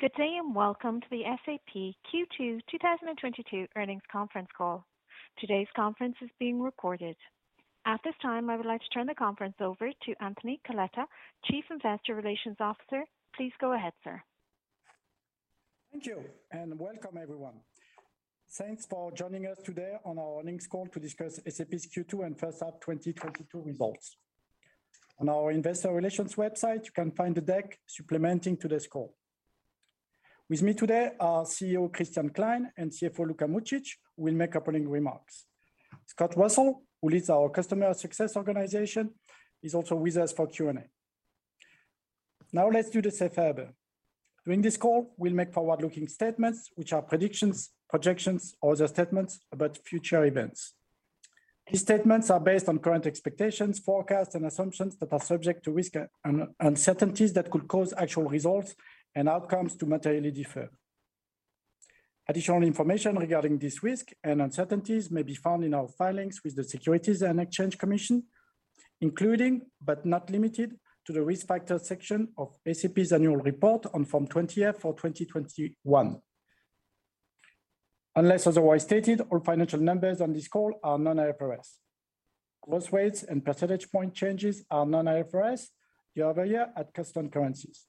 Good day, and welcome to the SAP Q2 2022 Earnings Conference Call. Today's conference is being recorded. At this time, I would like to turn the conference over to Anthony Coletta, Chief Investor Relations Officer. Please go ahead, sir. Thank you, and welcome, everyone. Thanks for joining us today on our earnings call to discuss SAP's Q2 and first half 2022 results. On our investor relations website, you can find the deck supplementing today's call. With me today are CEO Christian Klein and CFO Luka Mucic, who will make opening remarks. Scott Russell, who leads our customer success organization, is also with us for Q&A. Now let's do the safe harbor. During this call, we'll make forward-looking statements, which are predictions, projections, or other statements about future events. These statements are based on current expectations, forecasts, and assumptions that are subject to risk and uncertainties that could cause actual results and outcomes to materially differ. Additional information regarding this risk and uncertainties may be found in our filings with the Securities and Exchange Commission, including, but not limited to, the Risk Factors section of SAP's annual report on Form 20-F for 2021. Unless otherwise stated, all financial numbers on this call are non-IFRS. Growth rates and percentage point changes are non-IFRS year over year at constant currencies.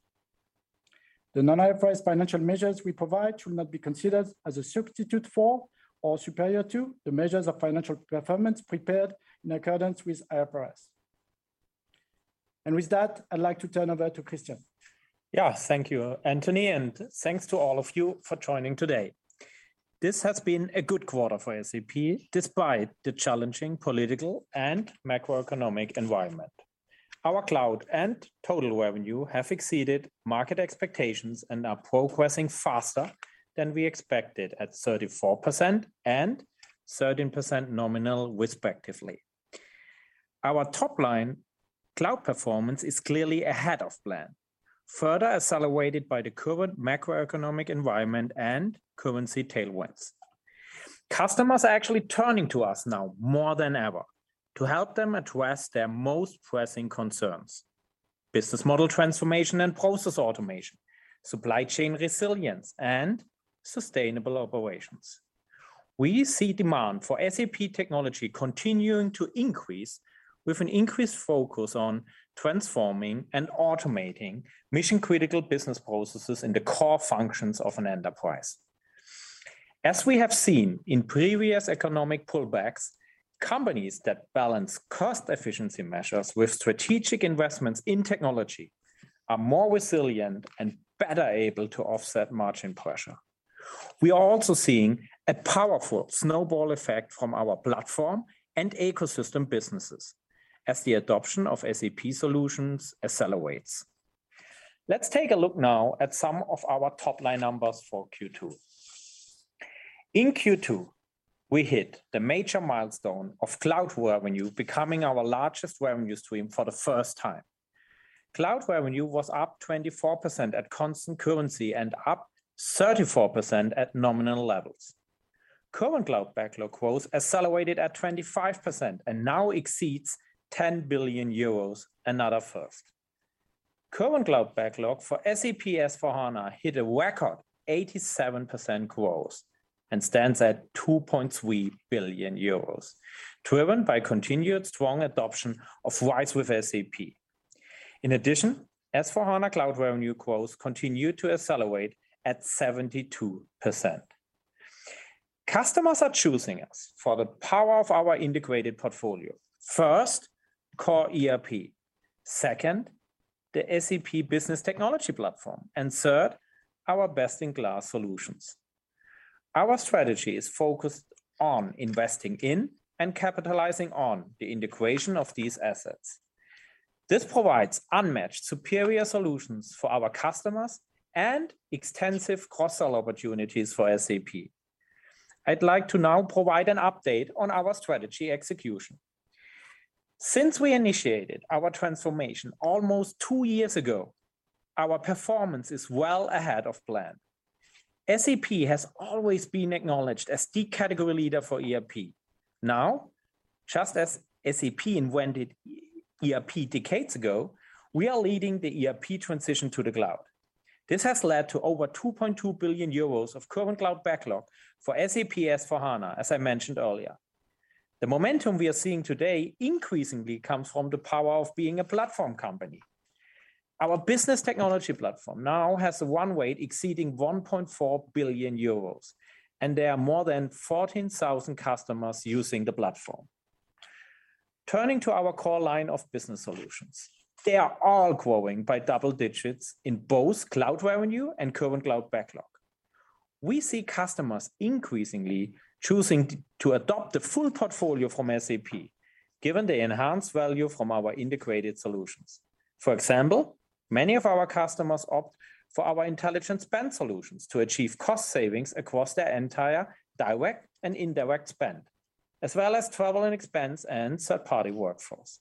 The non-IFRS financial measures we provide should not be considered as a substitute for or superior to the measures of financial performance prepared in accordance with IFRS. With that, I'd like to turn over to Christian. Yeah. Thank you, Anthony, and thanks to all of you for joining today. This has been a good quarter for SAP despite the challenging political and macroeconomic environment. Our cloud and total revenue have exceeded market expectations and are progressing faster than we expected at 34% and 13% nominal respectively. Our top line cloud performance is clearly ahead of plan, further accelerated by the current macroeconomic environment and currency tailwinds. Customers are actually turning to us now more than ever to help them address their most pressing concerns, business model transformation and process automation, supply chain resilience, and sustainable operations. We see demand for SAP technology continuing to increase with an increased focus on transforming and automating mission-critical business processes in the core functions of an enterprise. As we have seen in previous economic pullbacks, companies that balance cost efficiency measures with strategic investments in technology are more resilient and better able to offset margin pressure. We are also seeing a powerful snowball effect from our platform and ecosystem businesses as the adoption of SAP solutions accelerates. Let's take a look now at some of our top-line numbers for Q2. In Q2, we hit the major milestone of cloud revenue becoming our largest revenue stream for the first time. Cloud revenue was up 24% at constant currency and up 34% at nominal levels. Current Cloud Backlog growth accelerated at 25% and now exceeds 10 billion euros, another first. Current Cloud Backlog for SAP S/4HANA hit a record 87% growth and stands at 2.3 billion euros, driven by continued strong adoption of RISE with SAP. In addition, SAP S/4HANA Cloud revenue growth continued to accelerate at 72%. Customers are choosing us for the power of our integrated portfolio. First, core ERP. Second, the SAP Business Technology Platform. And third, our best-in-class solutions. Our strategy is focused on investing in and capitalizing on the integration of these assets. This provides unmatched superior solutions for our customers and extensive cross-sell opportunities for SAP. I'd like to now provide an update on our strategy execution. Since we initiated our transformation almost two years ago, our performance is well ahead of plan. SAP has always been acknowledged as the category leader for ERP. Now, just as SAP invented ERP decades ago, we are leading the ERP transition to the cloud. This has led to over 2.2 billion euros of Current Cloud Backlog for SAP S/4HANA, as I mentioned earlier. The momentum we are seeing today increasingly comes from the power of being a platform company. Our business technology platform now has run rate exceeding 1.4 billion euros, and there are more than 14,000 customers using the platform. Turning to our core line of business solutions, they are all growing by double digits in both cloud revenue and Current Cloud Backlog. We see customers increasingly choosing to adopt the full portfolio from SAP, given the enhanced value from our integrated solutions. For example, many of our customers opt for our intelligent spend solutions to achieve cost savings across their entire direct and indirect spend, as well as travel and expense and third-party workflows.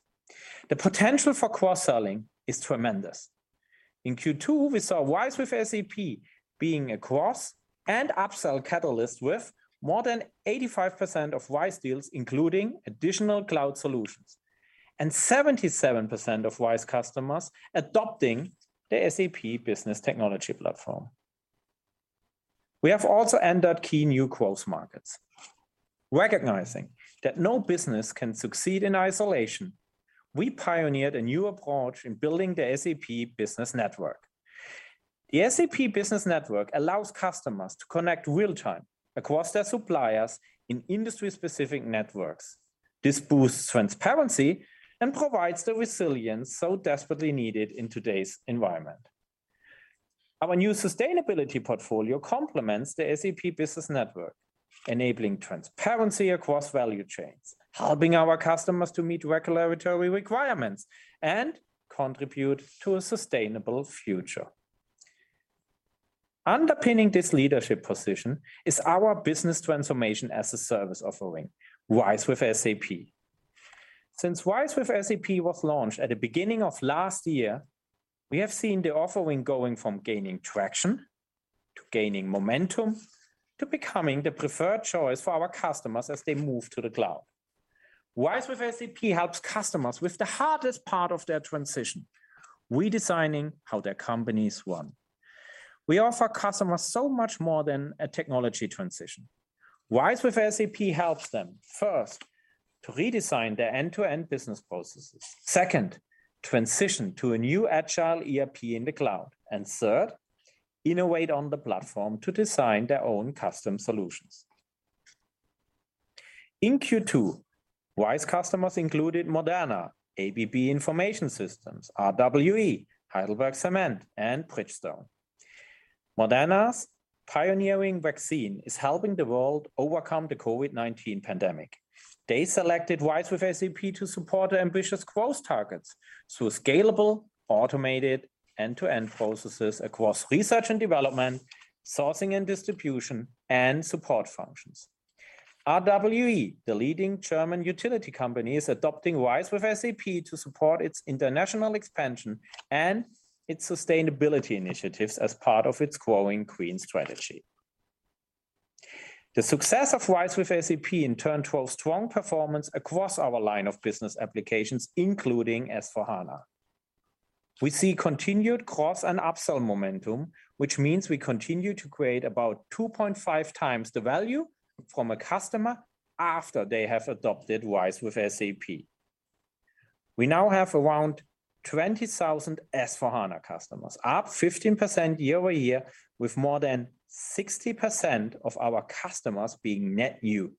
The potential for cross-selling is tremendous. In Q2, we saw RISE with SAP being a cross- and upsell catalyst with more than 85% of RISE deals including additional cloud solutions, and 77% of RISE customers adopting the SAP Business Technology Platform. We have also entered key new growth markets. Recognizing that no business can succeed in isolation, we pioneered a new approach in building the SAP Business Network. The SAP Business Network allows customers to connect real time across their suppliers in industry-specific networks. This boosts transparency and provides the resilience so desperately needed in today's environment. Our new sustainability portfolio complements the SAP Business Network, enabling transparency across value chains, helping our customers to meet regulatory requirements and contribute to a sustainable future. Underpinning this leadership position is our business transformation as a service offering, RISE with SAP. Since RISE with SAP was launched at the beginning of last year, we have seen the offering going from gaining traction, to gaining momentum, to becoming the preferred choice for our customers as they move to the cloud. RISE with SAP helps customers with the hardest part of their transition, redesigning how their companies run. We offer customers so much more than a technology transition. RISE with SAP helps them, first, to redesign their end-to-end business processes. Second, transition to a new agile ERP in the cloud. Third, innovate on the platform to design their own custom solutions. In Q2, RISE customers included Moderna, ABB Information Systems, RWE, Heidelberg Materials, and Bridgestone. Moderna's pioneering vaccine is helping the world overcome the COVID-19 pandemic. They selected RISE with SAP to support their ambitious growth targets through scalable, automated, end-to-end processes across research and development, sourcing and distribution, and support functions. RWE, the leading German utility company, is adopting RISE with SAP to support its international expansion and its sustainability initiatives as part of its growing green strategy. The success of RISE with SAP in turn drove strong performance across our line of business applications, including S/4HANA. We see continued cross and upsell momentum, which means we continue to create about 2.5x the value from a customer after they have adopted RISE with SAP. We now have around 20,000 S/4HANA customers, up 15% year-over-year, with more than 60% of our customers being net new.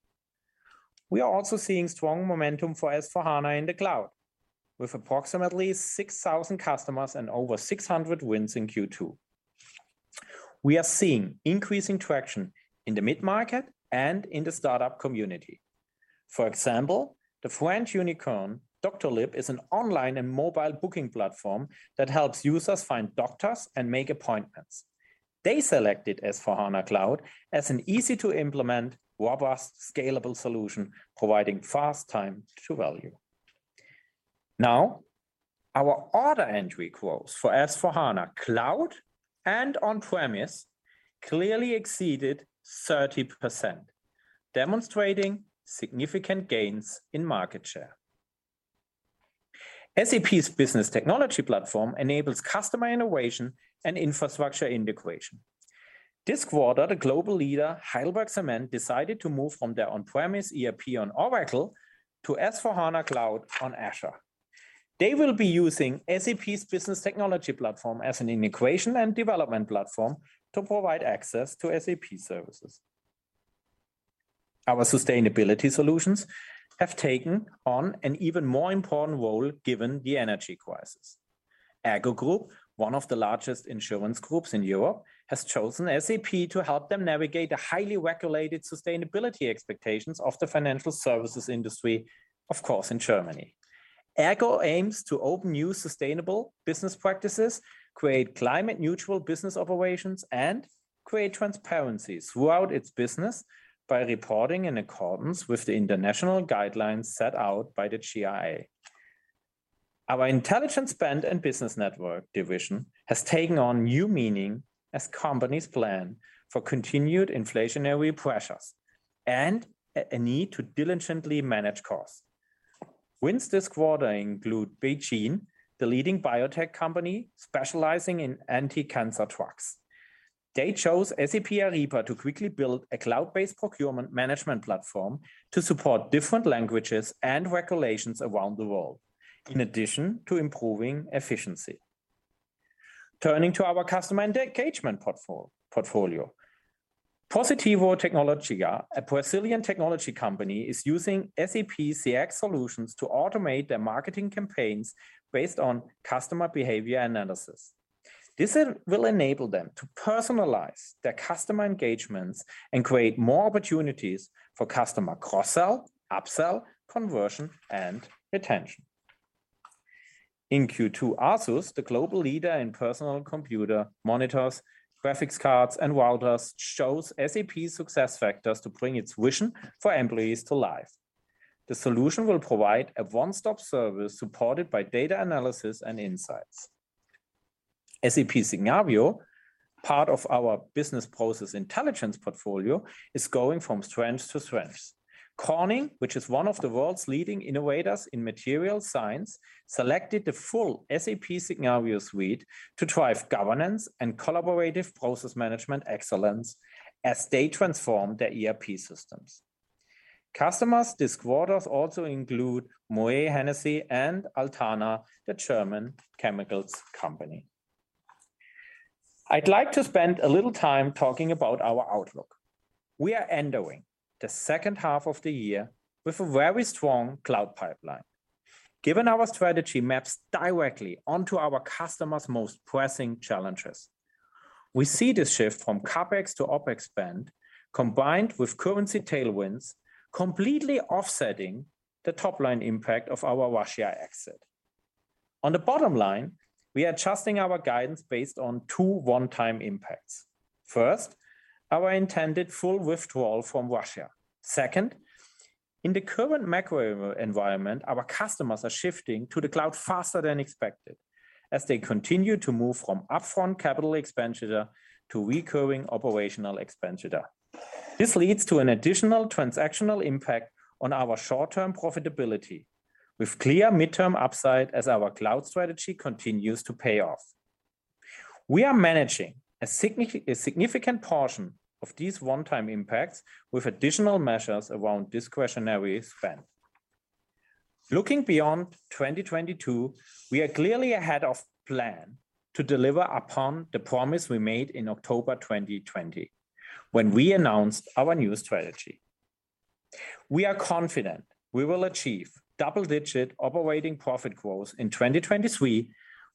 We are also seeing strong momentum for S/4HANA in the cloud, with approximately 6,000 customers and over 600 wins in Q2. We are seeing increasing traction in the mid-market and in the startup community. For example, the French unicorn Doctolib is an online and mobile booking platform that helps users find doctors and make appointments. They selected S/4HANA Cloud as an easy-to-implement, robust, scalable solution providing fast time to value. Now, our order entry growth for S/4HANA Cloud and on-premise clearly exceeded 30%, demonstrating significant gains in market share. SAP's Business Technology Platform enables customer innovation and infrastructure integration. This quarter, the global leader Heidelberg Materials decided to move from their on-premise ERP on Oracle to S/4HANA Cloud on Azure. They will be using SAP's Business Technology Platform as an integration and development platform to provide access to SAP services. Our sustainability solutions have taken on an even more important role given the energy crisis. ERGO Group, one of the largest insurance groups in Europe, has chosen SAP to help them navigate the highly regulated sustainability expectations of the financial services industry, of course, in Germany. ERGO aims to open new sustainable business practices, create climate neutral business operations, and create transparency throughout its business by reporting in accordance with the international guidelines set out by the TCFD. Our intelligent spend and business network division has taken on new meaning as companies plan for continued inflationary pressures and a need to diligently manage costs. Wins this quarter include BeiGene, the leading biotech company specializing in anti-cancer drugs. They chose SAP Ariba to quickly build a cloud-based procurement management platform to support different languages and regulations around the world, in addition to improving efficiency. Turning to our customer engagement portfolio. Positivo Tecnologia, a Brazilian technology company, is using SAP CX solutions to automate their marketing campaigns based on customer behavior analysis. This will enable them to personalize their customer engagements and create more opportunities for customer cross-sell, up-sell, conversion, and retention. In Q2, ASUS, the global leader in personal computer monitors, graphics cards, and routers, chose SAP SuccessFactors to bring its vision for employees to life. The solution will provide a one-stop service supported by data analysis and insights. SAP Signavio, part of our Business Process Intelligence portfolio, is going from strength to strength. Corning, which is one of the world's leading innovators in material science, selected the full SAP Signavio suite to drive governance and collaborative process management excellence as they transform their ERP systems. Customers this quarter also include Moët Hennessy and Altana, the German chemicals company. I'd like to spend a little time talking about our outlook. We are entering the second half of the year with a very strong cloud pipeline, given our strategy maps directly onto our customers' most pressing challenges. We see this shift from CapEx to OpEx spend, combined with currency tailwinds, completely offsetting the top-line impact of our Russia exit. On the bottom line, we are adjusting our guidance based on two, one-time impacts. First, our intended full withdrawal from Russia. Second, in the current macro environment, our customers are shifting to the cloud faster than expected as they continue to move from upfront capital expenditure to recurring operational expenditure. This leads to an additional transactional impact on our short-term profitability with clear midterm upside as our cloud strategy continues to pay off. We are managing a significant portion of these one-time impacts with additional measures around discretionary spend. Looking beyond 2022, we are clearly ahead of plan to deliver upon the promise we made in October 2020, when we announced our new strategy. We are confident we will achieve double-digit operating profit growth in 2023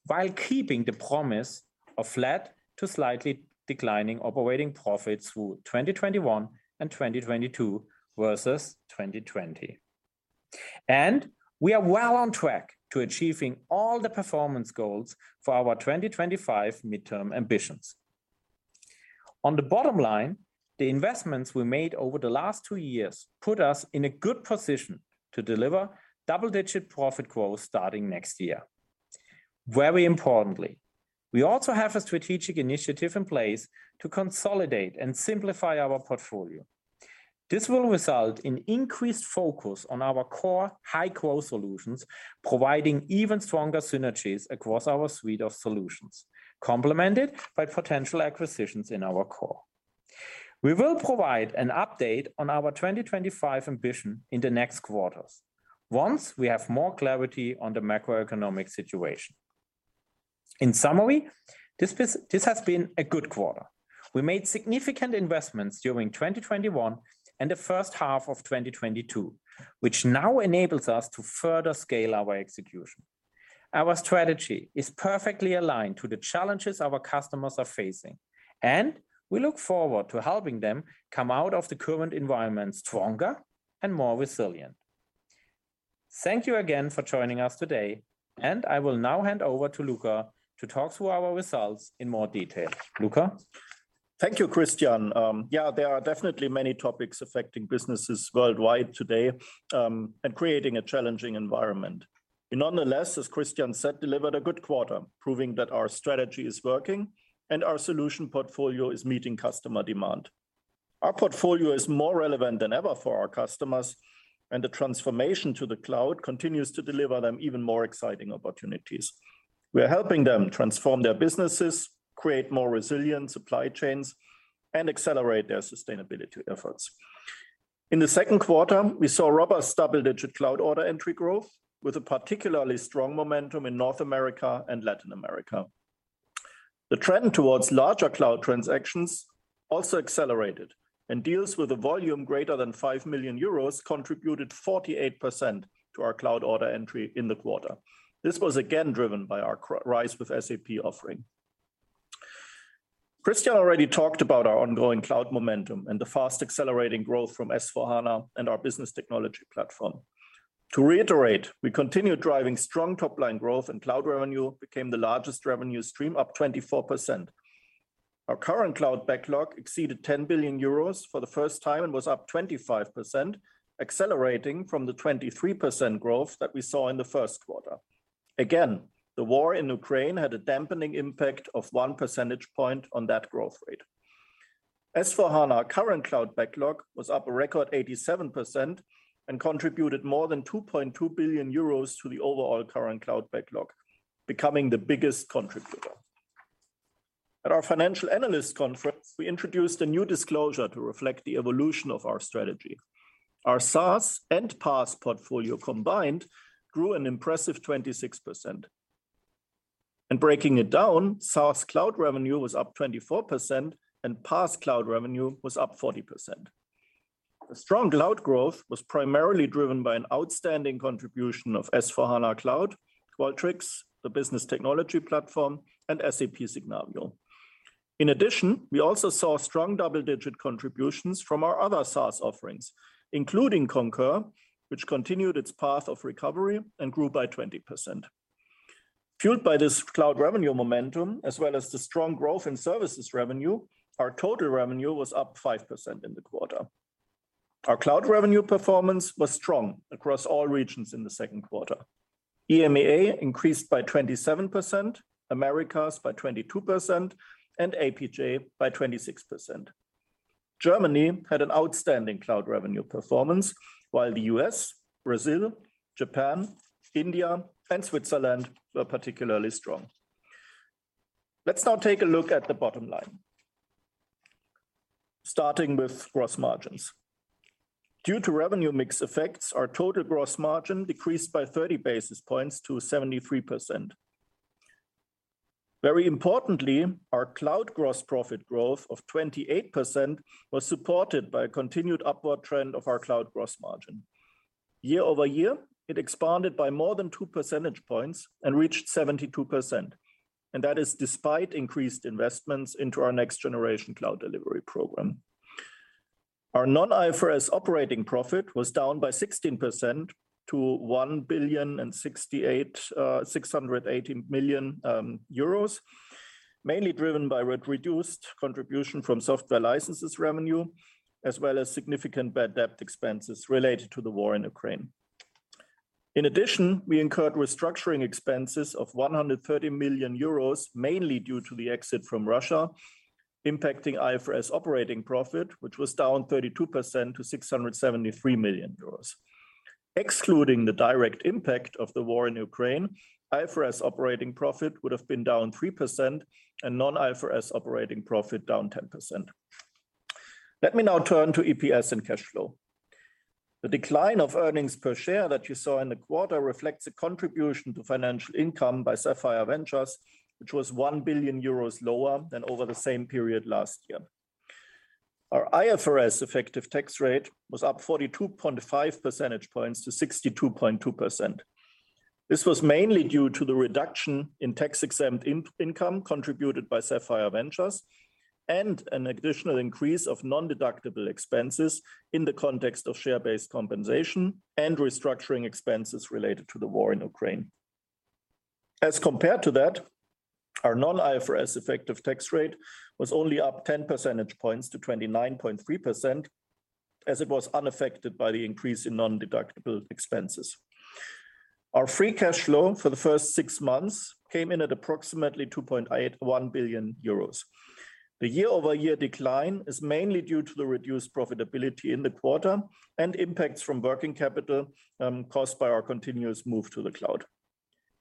while keeping the promise of flat to slightly declining operating profits through 2021 and 2022 versus 2020. We are well on track to achieving all the performance goals for our 2025 midterm ambitions. On the bottom line, the investments we made over the last two years put us in a good position to deliver double-digit profit growth starting next year. Very importantly, we also have a strategic initiative in place to consolidate and simplify our portfolio. This will result in increased focus on our core high-growth solutions, providing even stronger synergies across our suite of solutions, complemented by potential acquisitions in our core. We will provide an update on our 2025 ambition in the next quarters once we have more clarity on the macroeconomic situation. In summary, this has been a good quarter. We made significant investments during 2021 and the first half of 2022, which now enables us to further scale our execution. Our strategy is perfectly aligned to the challenges our customers are facing, and we look forward to helping them come out of the current environment stronger and more resilient. Thank you again for joining us today, and I will now hand over to Luka to talk through our results in more detail. Luka? Thank you, Christian. There are definitely many topics affecting businesses worldwide today, and creating a challenging environment. We nonetheless, as Christian said, delivered a good quarter, proving that our strategy is working and our solution portfolio is meeting customer demand. Our portfolio is more relevant than ever for our customers, and the transformation to the cloud continues to deliver them even more exciting opportunities. We are helping them transform their businesses, create more resilient supply chains, and accelerate their sustainability efforts. In the second quarter, we saw robust double-digit cloud order entry growth, with a particularly strong momentum in North America and Latin America. The trend towards larger cloud transactions also accelerated, and deals with a volume greater than 5 million euros contributed 48% to our cloud order entry in the quarter. This was again driven by our RISE with SAP offering. Christian already talked about our ongoing cloud momentum and the fast accelerating growth from S/4HANA and our Business Technology Platform. To reiterate, we continue driving strong top-line growth, and cloud revenue became the largest revenue stream, up 24%. Our current cloud backlog exceeded 10 billion euros for the first time and was up 25%, accelerating from the 23% growth that we saw in the first quarter. Again, the war in Ukraine had a dampening impact of one percentage point on that growth rate. S/4HANA current cloud backlog was up a record 87% and contributed more than 2.2 billion euros to the overall current cloud backlog, becoming the biggest contributor. At our financial analyst conference, we introduced a new disclosure to reflect the evolution of our strategy. Our SaaS and PaaS portfolio combined grew an impressive 26%. Breaking it down, SaaS cloud revenue was up 24% and PaaS cloud revenue was up 40%. The strong cloud growth was primarily driven by an outstanding contribution of S/4HANA Cloud, Qualtrics, the Business Technology Platform, and SAP Signavio. In addition, we also saw strong double-digit contributions from our other SaaS offerings, including Concur, which continued its path of recovery and grew by 20%. Fueled by this cloud revenue momentum as well as the strong growth in services revenue, our total revenue was up 5% in the quarter. Our cloud revenue performance was strong across all regions in the second quarter. EMEA increased by 27%, Americas by 22%, and APJ by 26%. Germany had an outstanding cloud revenue performance, while the U.S., Brazil, Japan, India, and Switzerland were particularly strong. Let's now take a look at the bottom line. Starting with gross margins. Due to revenue mix effects, our total gross margin decreased by 30 basis points to 73%. Very importantly, our cloud gross profit growth of 28% was supported by a continued upward trend of our cloud gross margin. Year-over-year, it expanded by more than 2 percentage points and reached 72%, and that is despite increased investments into our next generation cloud delivery program. Our non-IFRS operating profit was down by 16% to 1.618 billion, mainly driven by reduced contribution from software licenses revenue, as well as significant bad debt expenses related to the war in Ukraine. In addition, we incurred restructuring expenses of 130 million euros, mainly due to the exit from Russia, impacting IFRS operating profit, which was down 32% to 673 million euros. Excluding the direct impact of the war in Ukraine, IFRS operating profit would have been down 3% and non-IFRS operating profit down 10%. Let me now turn to EPS and cash flow. The decline of earnings per share that you saw in the quarter reflects a contribution to financial income by Sapphire Ventures, which was 1 billion euros lower than over the same period last year. Our IFRS effective tax rate was up 42.5 percentage points to 62.2%. This was mainly due to the reduction in tax-exempt income contributed by Sapphire Ventures and an additional increase of non-deductible expenses in the context of share-based compensation and restructuring expenses related to the war in Ukraine. As compared to that, our non-IFRS effective tax rate was only up 10 percentage points to 29.3%, as it was unaffected by the increase in non-deductible expenses. Our free cash flow for the first six months came in at approximately 2.81 billion euros. The year-over-year decline is mainly due to the reduced profitability in the quarter and impacts from working capital caused by our continuous move to the cloud.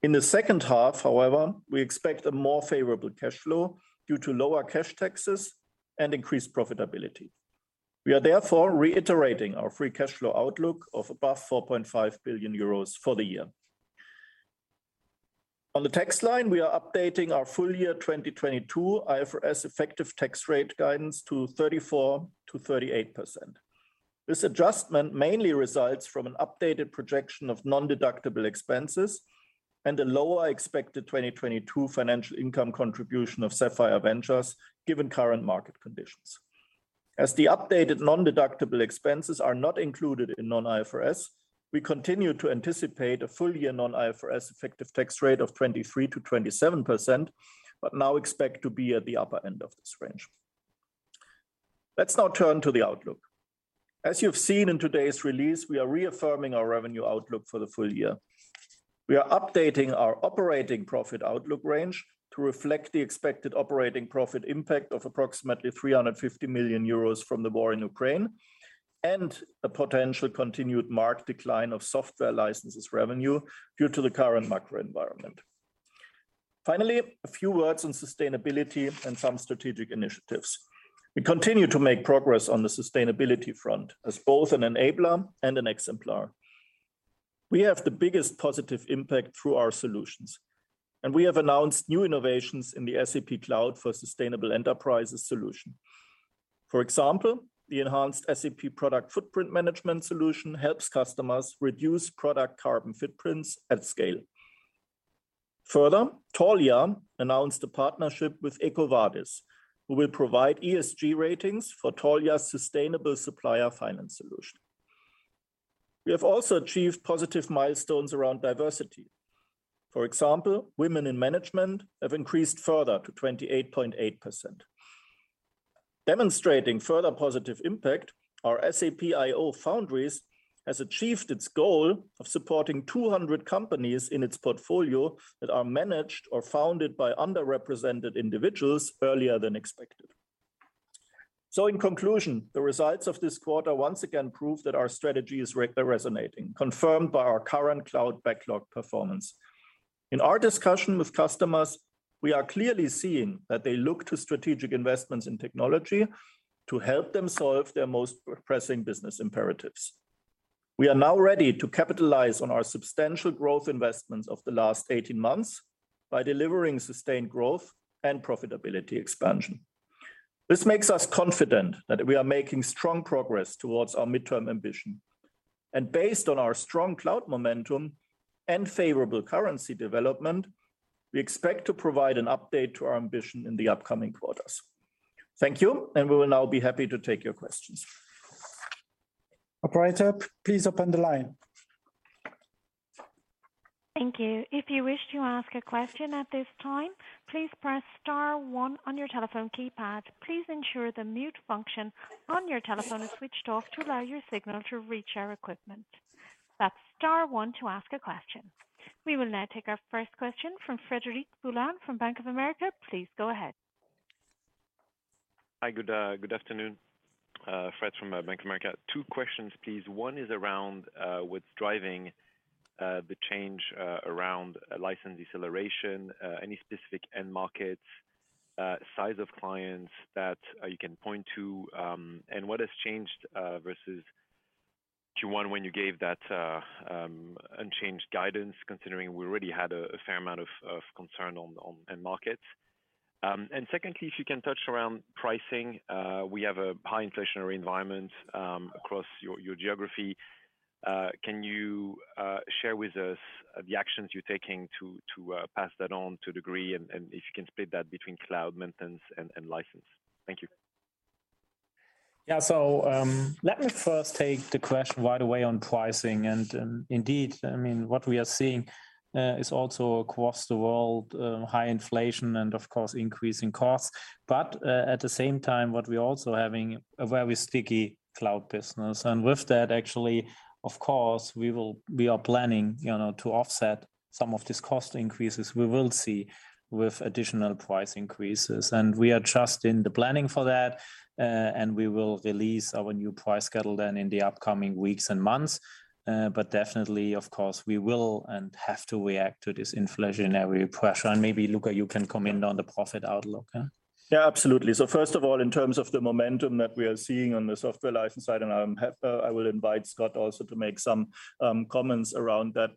In the second half, however, we expect a more favorable cash flow due to lower cash taxes and increased profitability. We are therefore reiterating our free cash flow outlook of above 4.5 billion euros for the year. On the tax line, we are updating our full year 2022 IFRS effective tax rate guidance to 34%-38%. This adjustment mainly results from an updated projection of non-deductible expenses and a lower expected 2022 financial income contribution of Sapphire Ventures, given current market conditions. As the updated non-deductible expenses are not included in non-IFRS, we continue to anticipate a full year non-IFRS effective tax rate of 23%-27%, but now expect to be at the upper end of this range. Let's now turn to the outlook. As you have seen in today's release, we are reaffirming our revenue outlook for the full year. We are updating our operating profit outlook range to reflect the expected operating profit impact of approximately 350 million euros from the war in Ukraine and a potential continued marked decline of software licenses revenue due to the current macro environment. Finally, a few words on sustainability and some strategic initiatives. We continue to make progress on the sustainability front as both an enabler and an exemplar. We have the biggest positive impact through our solutions, and we have announced new innovations in the SAP Cloud for Sustainable Enterprises solution. For example, the enhanced SAP Product Footprint Management solution helps customers reduce product carbon footprints at scale. Further, Taulia announced a partnership with EcoVadis, who will provide ESG ratings for Taulia's sustainable supplier finance solution. We have also achieved positive milestones around diversity. For example, women in management have increased further to 28.8%. Demonstrating further positive impact, our SAP.iO Foundries has achieved its goal of supporting 200 companies in its portfolio that are managed or founded by underrepresented individuals earlier than expected. In conclusion, the results of this quarter once again prove that our strategy is resonating, confirmed by our Current Cloud Backlog performance. In our discussion with customers, we are clearly seeing that they look to strategic investments in technology to help them solve their most pressing business imperatives. We are now ready to capitalize on our substantial growth investments of the last 18 months by delivering sustained growth and profitability expansion. This makes us confident that we are making strong progress towards our midterm ambition. Based on our strong cloud momentum and favorable currency development, we expect to provide an update to our ambition in the upcoming quarters. Thank you, and we will now be happy to take your questions. Operator, please open the line. Thank you. If you wish to ask a question at this time, please press star one on your telephone keypad. Please ensure the mute function on your telephone is switched off to allow your signal to reach our equipment. That's star one to ask a question. We will now take our first question from Frederic Boulan from Bank of America. Please go ahead. Hi, good afternoon. Fred from Bank of America. Two questions, please. One is around what's driving the change around license deceleration. Any specific end markets, size of clients that you can point to, and what has changed versus Q1 when you gave that unchanged guidance, considering we already had a fair amount of concern on end markets. Secondly, if you can touch on pricing. We have a high inflationary environment across your geography. Can you share with us the actions you're taking to pass that on to a degree and if you can split that between cloud maintenance and license? Thank you. Yeah. Let me first take the question right away on pricing. Indeed, I mean, what we are seeing is also across the world, high inflation and of course increasing costs. At the same time what we're also having a very sticky cloud business. With that actually, of course, we are planning, you know, to offset some of these cost increases we will see with additional price increases. We are just in the planning for that, and we will release our new price schedule then in the upcoming weeks and months. Definitely, of course, we will and have to react to this inflationary pressure. Maybe, Luka, you can comment on the profit outlook. Yeah, absolutely. First of all, in terms of the momentum that we are seeing on the software license side, and I will invite Scott also to make some comments around that.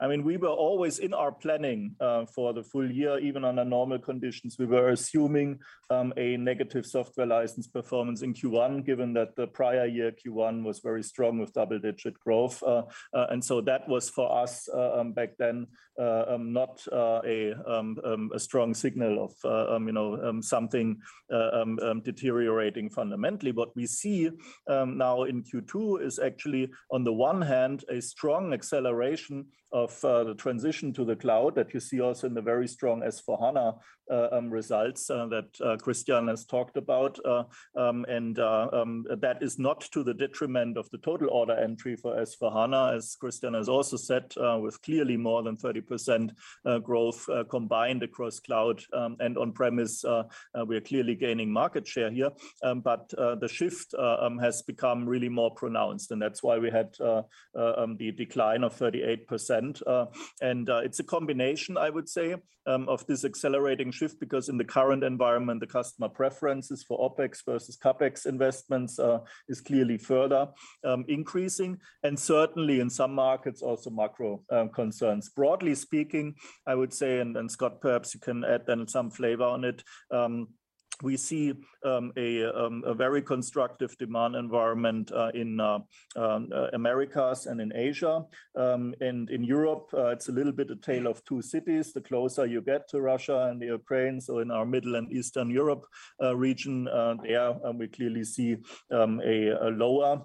I mean, we were always in our planning for the full year. Even under normal conditions, we were assuming a negative software license performance in Q1, given that the prior year Q1 was very strong with double-digit growth. That was for us, back then, not a strong signal of, you know, something deteriorating fundamentally. What we see now in Q2 is actually, on the one hand, a strong acceleration of the transition to the cloud that you see also in the very strong S/4HANA results that Christian has talked about. That is not to the detriment of the total order entry for S/4HANA, as Christian has also said, with clearly more than 30% growth combined across cloud and on-premise. We are clearly gaining market share here. The shift has become really more pronounced, and that's why we had the decline of 38%. It's a combination, I would say, of this accelerating shift, because in the current environment, the customer preferences for OpEx versus CapEx investments is clearly further increasing, and certainly in some markets, also macro concerns. Broadly speaking, I would say, Scott, perhaps you can add then some flavor on it, we see a very constructive demand environment in Americas and in Asia. In Europe, it's a little bit a tale of two cities. The closer you get to Russia and Ukraine, so in our Central and Eastern Europe region, there we clearly see a lower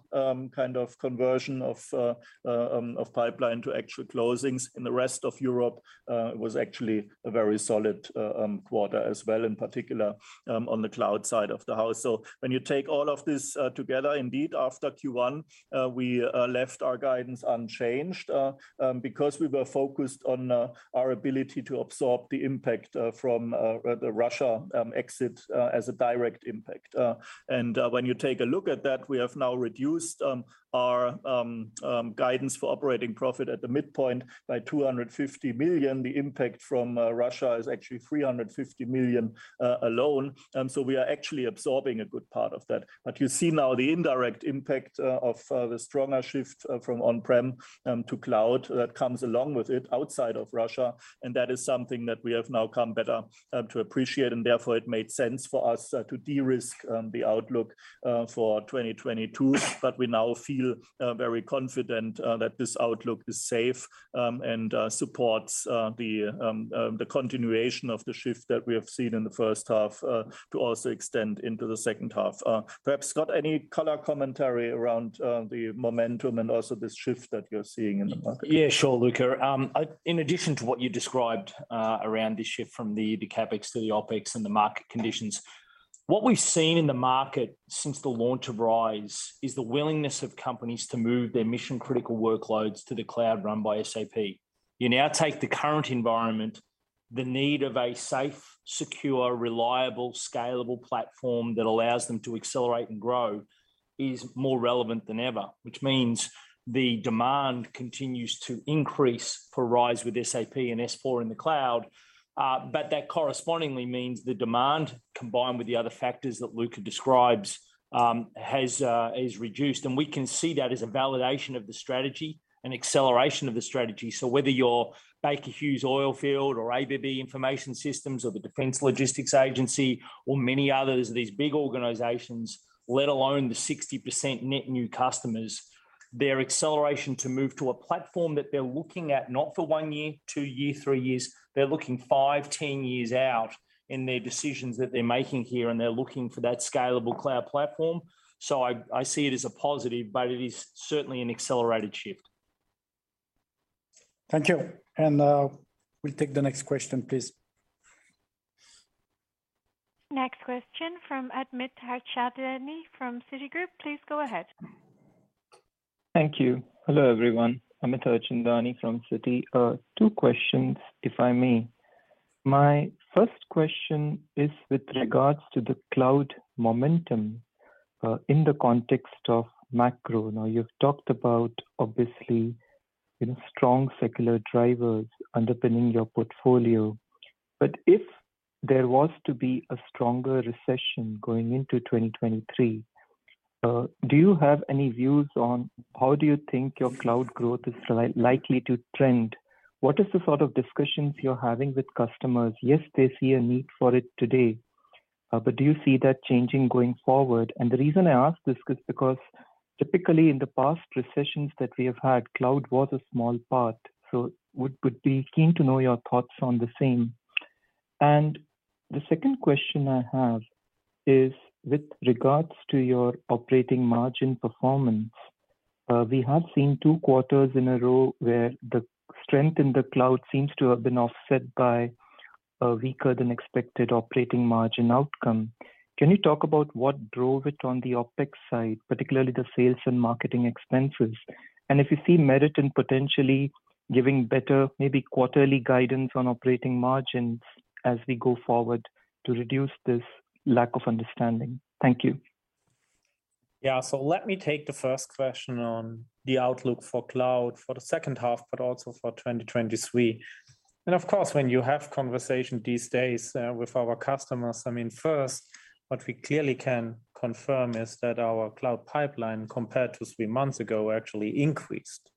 kind of conversion of pipeline to actual closings. In the rest of Europe, it was actually a very solid quarter as well, in particular, on the cloud side of the house. When you take all of this together, indeed, after Q1, we left our guidance unchanged because we were focused on our ability to absorb the impact from the Russia exit as a direct impact. When you take a look at that, we have now reduced our guidance for operating profit at the midpoint by 250 million. The impact from Russia is actually 350 million alone. We are actually absorbing a good part of that. You see now the indirect impact of the stronger shift from on-prem to cloud that comes along with it outside of Russia, and that is something that we have now come better to appreciate, and therefore it made sense for us to de-risk the outlook for 2022. We now feel very confident that this outlook is safe and supports the continuation of the shift that we have seen in the first half to also extend into the second half. Perhaps, Scott, any color commentary around the momentum and also this shift that you're seeing in the market? Yeah, sure, Luka. In addition to what you described around this shift from the CapEx to the OpEx and the market conditions, what we've seen in the market since the launch of RISE is the willingness of companies to move their mission-critical workloads to the cloud, run by SAP. You now take the current environment, the need of a safe, secure, reliable, scalable platform that allows them to accelerate and grow is more relevant than ever, which means the demand continues to increase for RISE with SAP and S/4HANA in the cloud. That correspondingly means the demand, combined with the other factors that Luka describes, is reduced. We can see that as a validation of the strategy and acceleration of the strategy. Whether you're Baker Hughes or ABB Information Systems or the Defense Logistics Agency or many others, these big organizations, let alone the 60% net new customers, their acceleration to move to a platform that they're looking at not for 1 year, 2 year, 3 years, they're looking 5 years, 10 years out in their decisions that they're making here, and they're looking for that scalable cloud platform. I see it as a positive, but it is certainly an accelerated shift. Thank you. We'll take the next question, please. Next question from Amit Daryanani from Citigroup. Please go ahead. Thank you. Hello, everyone. Amit Daryanani from Citi. Two questions, if I may. My first question is with regards to the cloud momentum in the context of macro. Now, you've talked about obviously, you know, strong secular drivers underpinning your portfolio. If there was to be a stronger recession going into 2023, do you have any views on how do you think your cloud growth is likely to trend? What is the sort of discussions you're having with customers? Yes, they see a need for it today, but do you see that changing going forward? The reason I ask this is because typically in the past recessions that we have had, cloud was a small part. Would be keen to know your thoughts on the same. The second question I have is with regards to your operating margin performance. We have seen two quarters in a row where the strength in the cloud seems to have been offset by a weaker than expected operating margin outcome. Can you talk about what drove it on the OpEx side, particularly the sales and marketing expenses? If you see merit in potentially giving better maybe quarterly guidance on operating margins as we go forward to reduce this lack of understanding? Thank you. Yeah. Let me take the first question on the outlook for cloud for the second half, but also for 2023. Of course, when you have conversation these days with our customers, I mean, first, what we clearly can confirm is that our cloud pipeline, compared to three months ago, actually increased.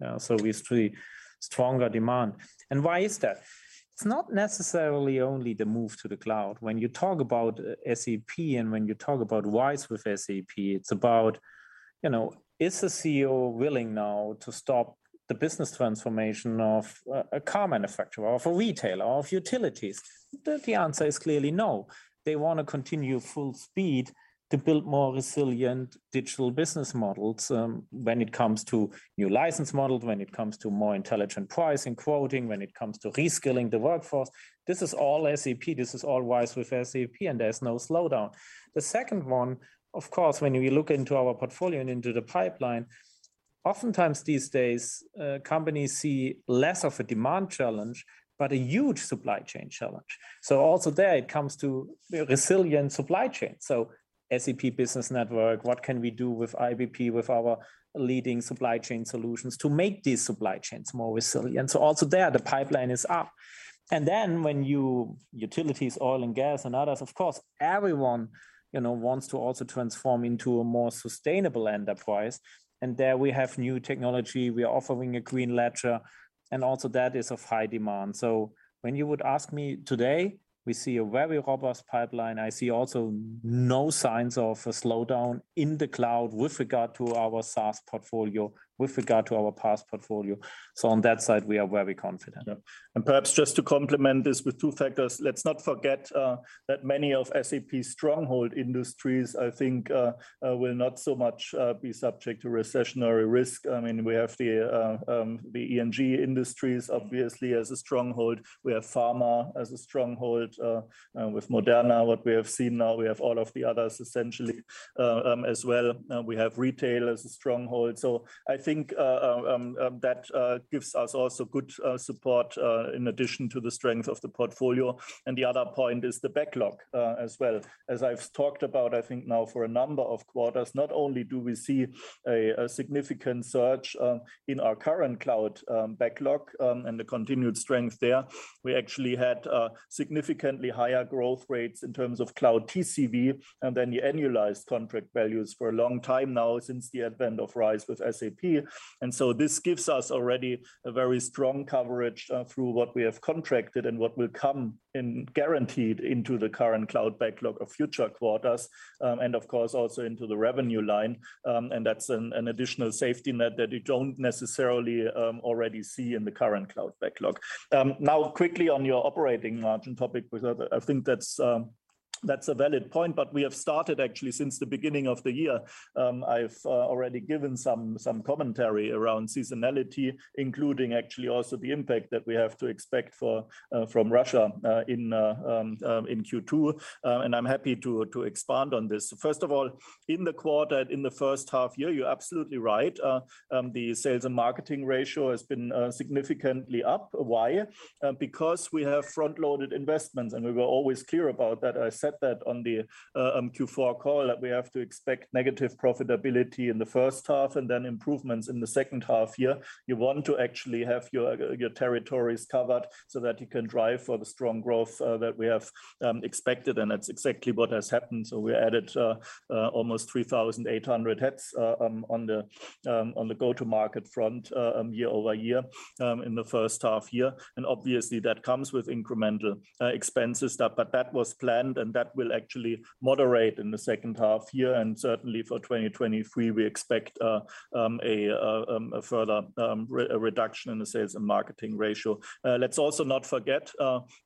We see stronger demand. Why is that? It's not necessarily only the move to the cloud. When you talk about SAP, and when you talk about RISE with SAP, it's about, you know, is the CEO willing now to stop the business transformation of a car manufacturer or of a retailer or of utilities? The answer is clearly no. They wanna continue full speed to build more resilient digital business models, when it comes to new license models, when it comes to more intelligent pricing, quoting, when it comes to reskilling the workforce. This is all SAP. This is all RISE with SAP, and there's no slowdown. The second one, of course, when we look into our portfolio and into the pipeline, oftentimes these days, companies see less of a demand challenge, but a huge supply chain challenge. Also there it comes to resilient supply chain. SAP Business Network, what can we do with IBP, with our leading supply chain solutions to make these supply chains more resilient? Also there, the pipeline is up. Then when you, utilities, oil and gas and others, of course, everyone, you know, wants to also transform into a more sustainable enterprise. There we have new technology. We are offering a green ledger, and also that is of high demand. When you would ask me today, we see a very robust pipeline. I see also no signs of a slowdown in the cloud with regard to our SaaS portfolio, with regard to our PaaS portfolio. On that side, we are very confident. Perhaps just to complement this with two factors, let's not forget that many of SAP's stronghold industries, I think, will not so much be subject to recessionary risk. I mean, we have the EMG industries, obviously, as a stronghold. We have pharma as a stronghold with Moderna, what we have seen now, we have all of the others essentially as well. We have retail as a stronghold. I think that gives us also good support in addition to the strength of the portfolio. The other point is the backlog as well. As I've talked about, I think now for a number of quarters, not only do we see a significant surge in our current cloud backlog and the continued strength there. We actually had significantly higher growth rates in terms of cloud TCV and then the annualized contract values for a long time now since the advent of RISE with SAP. This gives us already a very strong coverage through what we have contracted and what will come in guaranteed into the current cloud backlog of future quarters, and of course, also into the revenue line. That's an additional safety net that you don't necessarily already see in the current cloud backlog. Now quickly on your operating margin topic, which I think that's a valid point. We have started actually since the beginning of the year. I've already given some commentary around seasonality, including actually also the impact that we have to expect from Russia in Q2. I'm happy to expand on this. First of all, in the quarter, in the first half year, you're absolutely right. The sales and marketing ratio has been significantly up. Why? Because we have front-loaded investments, and we were always clear about that. I said that on the Q4 call that we have to expect negative profitability in the first half and then improvements in the second half year. You want to actually have your territories covered so that you can drive for the strong growth that we have expected, and that's exactly what has happened. We added almost 3,800 heads on the go-to-market front year-over-year in the first half year. Obviously that comes with incremental expenses. That was planned, and that will actually moderate in the second half year and certainly for 2023, we expect a further reduction in the sales and marketing ratio. Let's also not forget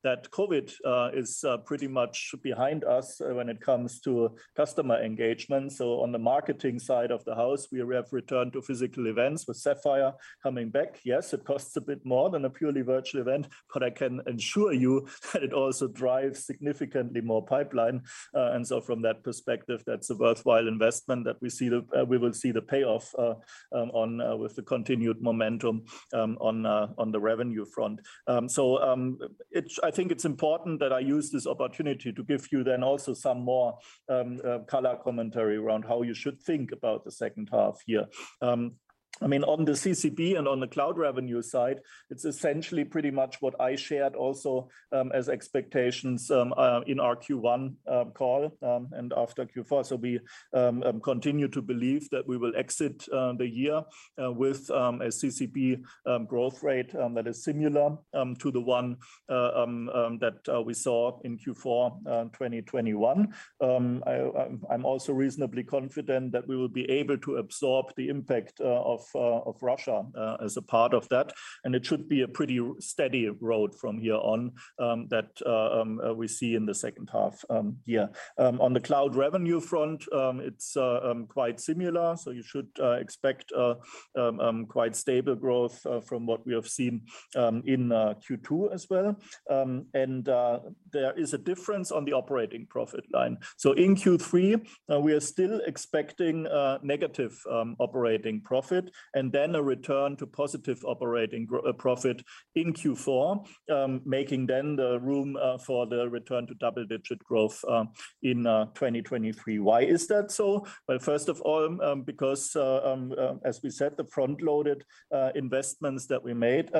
that COVID is pretty much behind us when it comes to customer engagement. On the marketing side of the house, we have returned to physical events with Sapphire coming back. Yes, it costs a bit more than a purely virtual event, but I can assure you that it also drives significantly more pipeline. From that perspective, that's a worthwhile investment that we will see the payoff with the continued momentum on the revenue front. I think it's important that I use this opportunity to give you then also some more color commentary around how you should think about the second half year. I mean, on the CCP and on the cloud revenue side, it's essentially pretty much what I shared also as expectations in our Q1 call and after Q4. We continue to believe that we will exit the year with a CCP growth rate that is similar to the one that we saw in Q4 2021. I'm also reasonably confident that we will be able to absorb the impact of Russia as a part of that, and it should be a pretty steady road from here on that we see in the second half. On the cloud revenue front, it's quite similar, so you should expect quite stable growth from what we have seen in Q2 as well. There is a difference on the operating profit line. In Q3, we are still expecting negative operating profit and then a return to positive operating profit in Q4, making then the room for the return to double-digit growth in 2023. Why is that so? Well, first of all, because as we said, the front-loaded investments that we made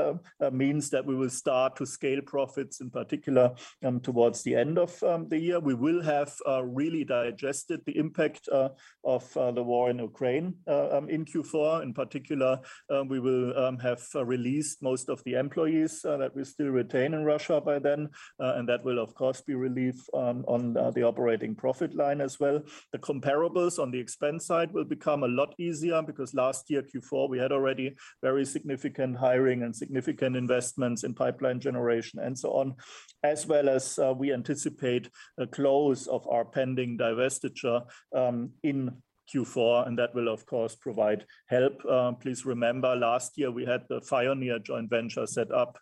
means that we will start to scale profits in particular towards the end of the year. We will have really digested the impact of the war in Ukraine in Q4. In particular, we will have released most of the employees that we still retain in Russia by then, and that will of course be relief on the operating profit line as well. The comparables on the expense side will become a lot easier because last year Q4 we had already very significant hiring and significant investments in pipeline generation and so on, as well as we anticipate a close of our pending divestiture in Q4, and that will of course provide help. Please remember last year we had the Fioneer joint venture set up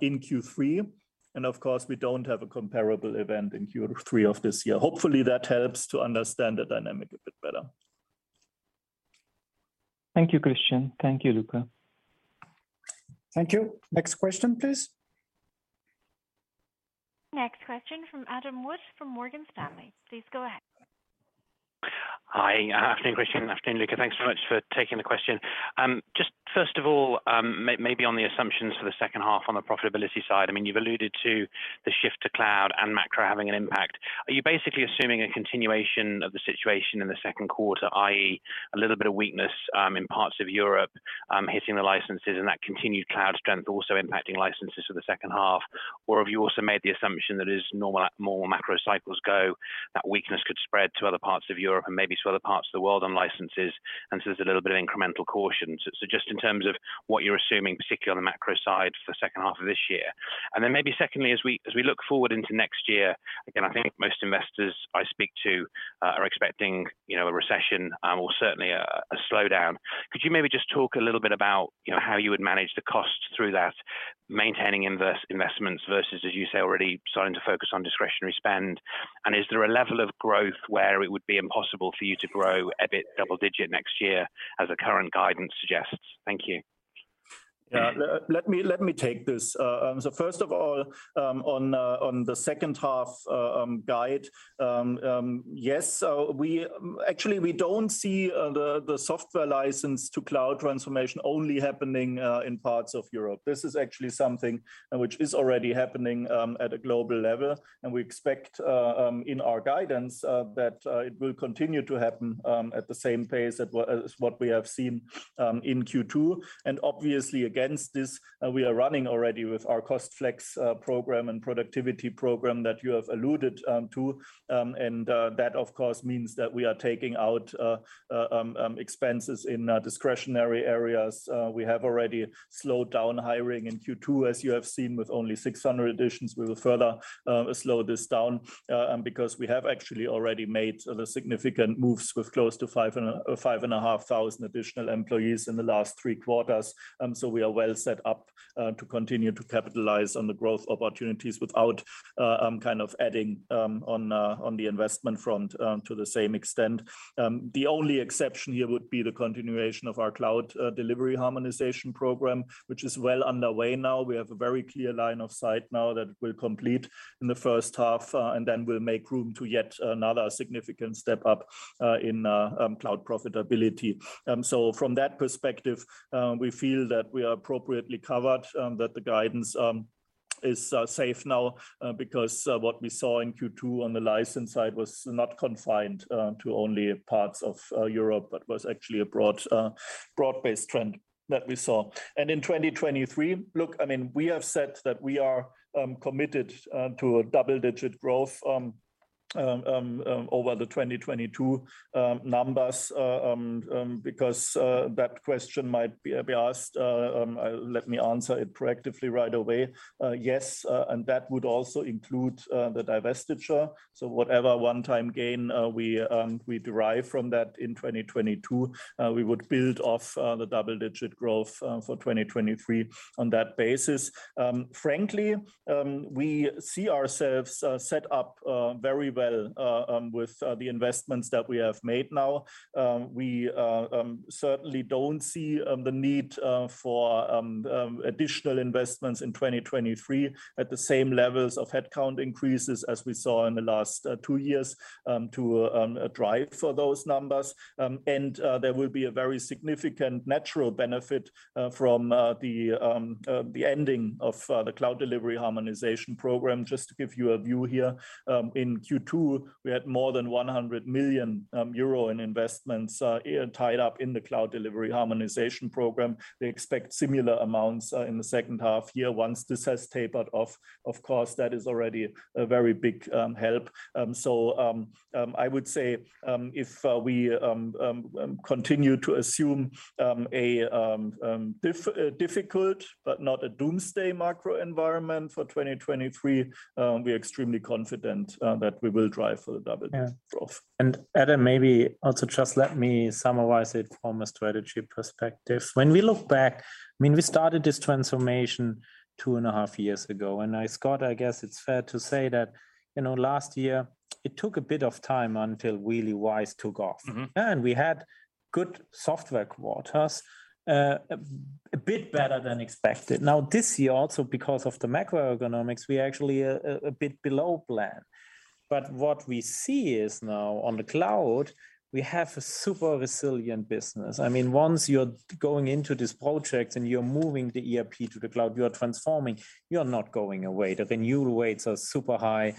in Q3, and of course we don't have a comparable event in Q3 of this year. Hopefully that helps to understand the dynamic a bit better. Thank you, Christian. Thank you, Luka. Thank you. Next question, please. Next question from Adam Wood from Morgan Stanley. Please go ahead. Hi. Afternoon, Christian. Afternoon, Luka. Thanks so much for taking the question. Just first of all, maybe on the assumptions for the second half on the profitability side, I mean, you've alluded to the shift to cloud and macro having an impact. Are you basically assuming a continuation of the situation in the second quarter, i.e., a little bit of weakness in parts of Europe hitting the licenses and that continued cloud strength also impacting licenses for the second half? Or have you also made the assumption that as normal macro cycles go, that weakness could spread to other parts of Europe and maybe to other parts of the world on licenses, and so there's a little bit of incremental caution? Just in terms of what you're assuming, particularly on the macro side for the second half of this year. Then maybe secondly, as we look forward into next year, again, I think most investors I speak to are expecting, you know, a recession, or certainly a slowdown. Could you maybe just talk a little bit about, you know, how you would manage the cost through that, maintaining investments versus, as you say, already starting to focus on discretionary spend? Is there a level of growth where it would be impossible for you to grow EBIT double digit next year as the current guidance suggests? Thank you. Yeah. Let me take this. First of all, on the second half guide, yes, so we actually don't see the software license to cloud transformation only happening in parts of Europe. This is actually something which is already happening at a global level, and we expect in our guidance that it will continue to happen at the same pace as what we have seen in Q2. Obviously against this, we are running already with our Cost Flex program and productivity program that you have alluded to. That of course means that we are taking out expenses in discretionary areas. We have already slowed down hiring in Q2, as you have seen, with only 600 additions. We will further slow this down because we have actually already made the significant moves with close to 5,500 additional employees in the last three quarters. We are well set up to continue to capitalize on the growth opportunities without kind of adding on the investment front to the same extent. The only exception here would be the continuation of our cloud delivery harmonization program, which is well underway now. We have a very clear line of sight now that we'll complete in the first half, and then we'll make room to yet another significant step up in cloud profitability. From that perspective, we feel that we are appropriately covered, that the guidance is safe now, because what we saw in Q2 on the license side was not confined to only parts of Europe, but was actually a broad-based trend that we saw. In 2023, look, I mean, we have said that we are committed to a double-digit growth over the 2022 numbers, because that question might be asked, let me answer it proactively right away. Yes, and that would also include the divestiture. Whatever one-time gain we derive from that in 2022, we would build off the double-digit growth for 2023 on that basis. Frankly, we see ourselves set up very well with the investments that we have made now. We certainly don't see the need for additional investments in 2023 at the same levels of headcount increases as we saw in the last two years to drive for those numbers. There will be a very significant natural benefit from the ending of the cloud delivery harmonization program. Just to give you a view here, in Q2, we had more than 100 million euro in investments tied up in the cloud delivery harmonization program. They expect similar amounts in the second half year once this has tapered off. Of course, that is already a very big help. I would say, if we continue to assume a difficult but not a doomsday macro environment for 2023, we are extremely confident that we will drive for the double-digit growth. Yeah. Adam, maybe also just let me summarize it from a strategy perspective. When we look back, I mean, we started this transformation 2.5 years ago, and Scott, I guess it's fair to say that, you know, last year it took a bit of time until RISE with SAP took off. Mm-hmm. We had good software quarters, a bit better than expected. This year, also because of the macroeconomics, we're actually a bit below plan. What we see is now on the cloud, we have a super resilient business. I mean, once you're going into this project and you're moving the ERP to the cloud, you are transforming, you are not going away. The renewal rates are super high.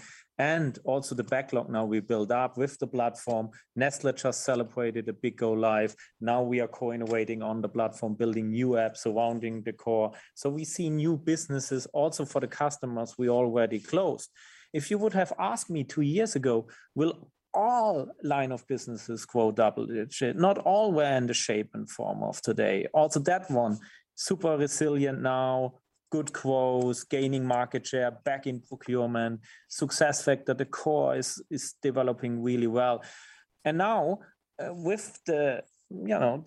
Also the backlog now we build up with the platform. Nestlé just celebrated a big go live. Now we are co-innovating on the platform, building new apps surrounding the core. We see new businesses also for the customers we already closed. If you would have asked me two years ago, will all line of businesses grow double digits? Not all were in the shape and form of today. Also that one, super resilient now, good growth, gaining market share, back in procurement, success factor. The core is developing really well. Now, with you know,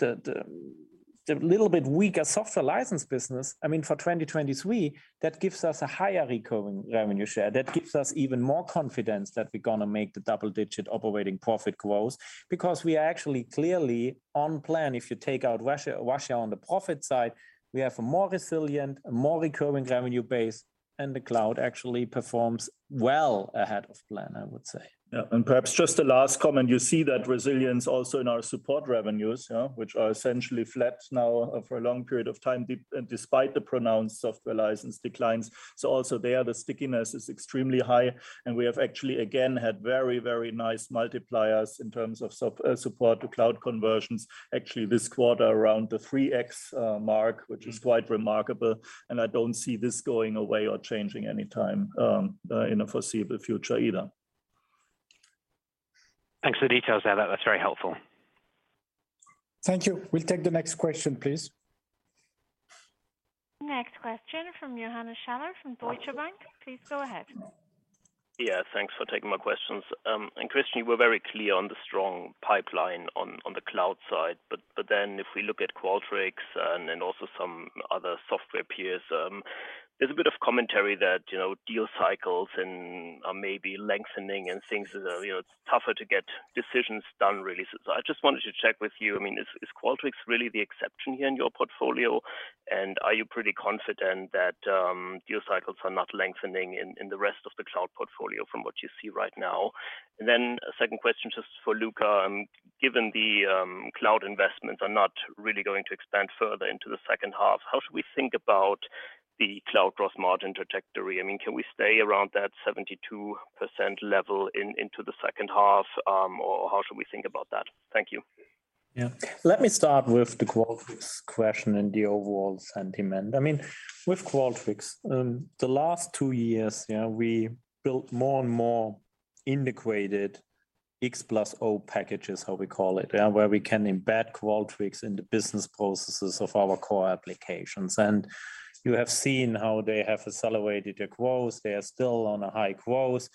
the little bit weaker software license business, I mean, for 2023, that gives us a higher recurring revenue share. That gives us even more confidence that we're gonna make the double-digit operating profit growth because we are actually clearly on plan. If you take out Russia on the profit side, we have a more resilient, a more recurring revenue base, and the cloud actually performs well ahead of plan, I would say. Yeah. Perhaps just a last comment. You see that resilience also in our support revenues, yeah, which are essentially flat now for a long period of time despite the pronounced software license declines. Also there, the stickiness is extremely high, and we have actually again had very, very nice multipliers in terms of support to cloud conversions, actually this quarter around the 3x mark, which is quite remarkable, and I don't see this going away or changing any time in the foreseeable future either. Thanks for the details there. That's very helpful. Thank you. We'll take the next question, please. Next question from Johannes Schaller from Deutsche Bank. Please go ahead. Yeah. Thanks for taking my questions. Christian, you were very clear on the strong pipeline on the cloud side, but then if we look at Qualtrics and also some other software peers, there's a bit of commentary that, you know, deal cycles are maybe lengthening and things are, you know, tougher to get decisions done really. I just wanted to check with you. I mean, is Qualtrics really the exception here in your portfolio? Are you pretty confident that deal cycles are not lengthening in the rest of the cloud portfolio from what you see right now? A second question just for Luka. Given the cloud investments are not really going to expand further into the second half, how should we think about the cloud gross margin trajectory? I mean, can we stay around that 72% level into the second half, or how should we think about that? Thank you. Yeah. Let me start with the Qualtrics question and the overall sentiment. I mean, with Qualtrics, the last two years, you know, we built more and more integrated X+O packages, how we call it, yeah, where we can embed Qualtrics into business processes of our core applications. You have seen how they have accelerated their growth. They are still on a high growth.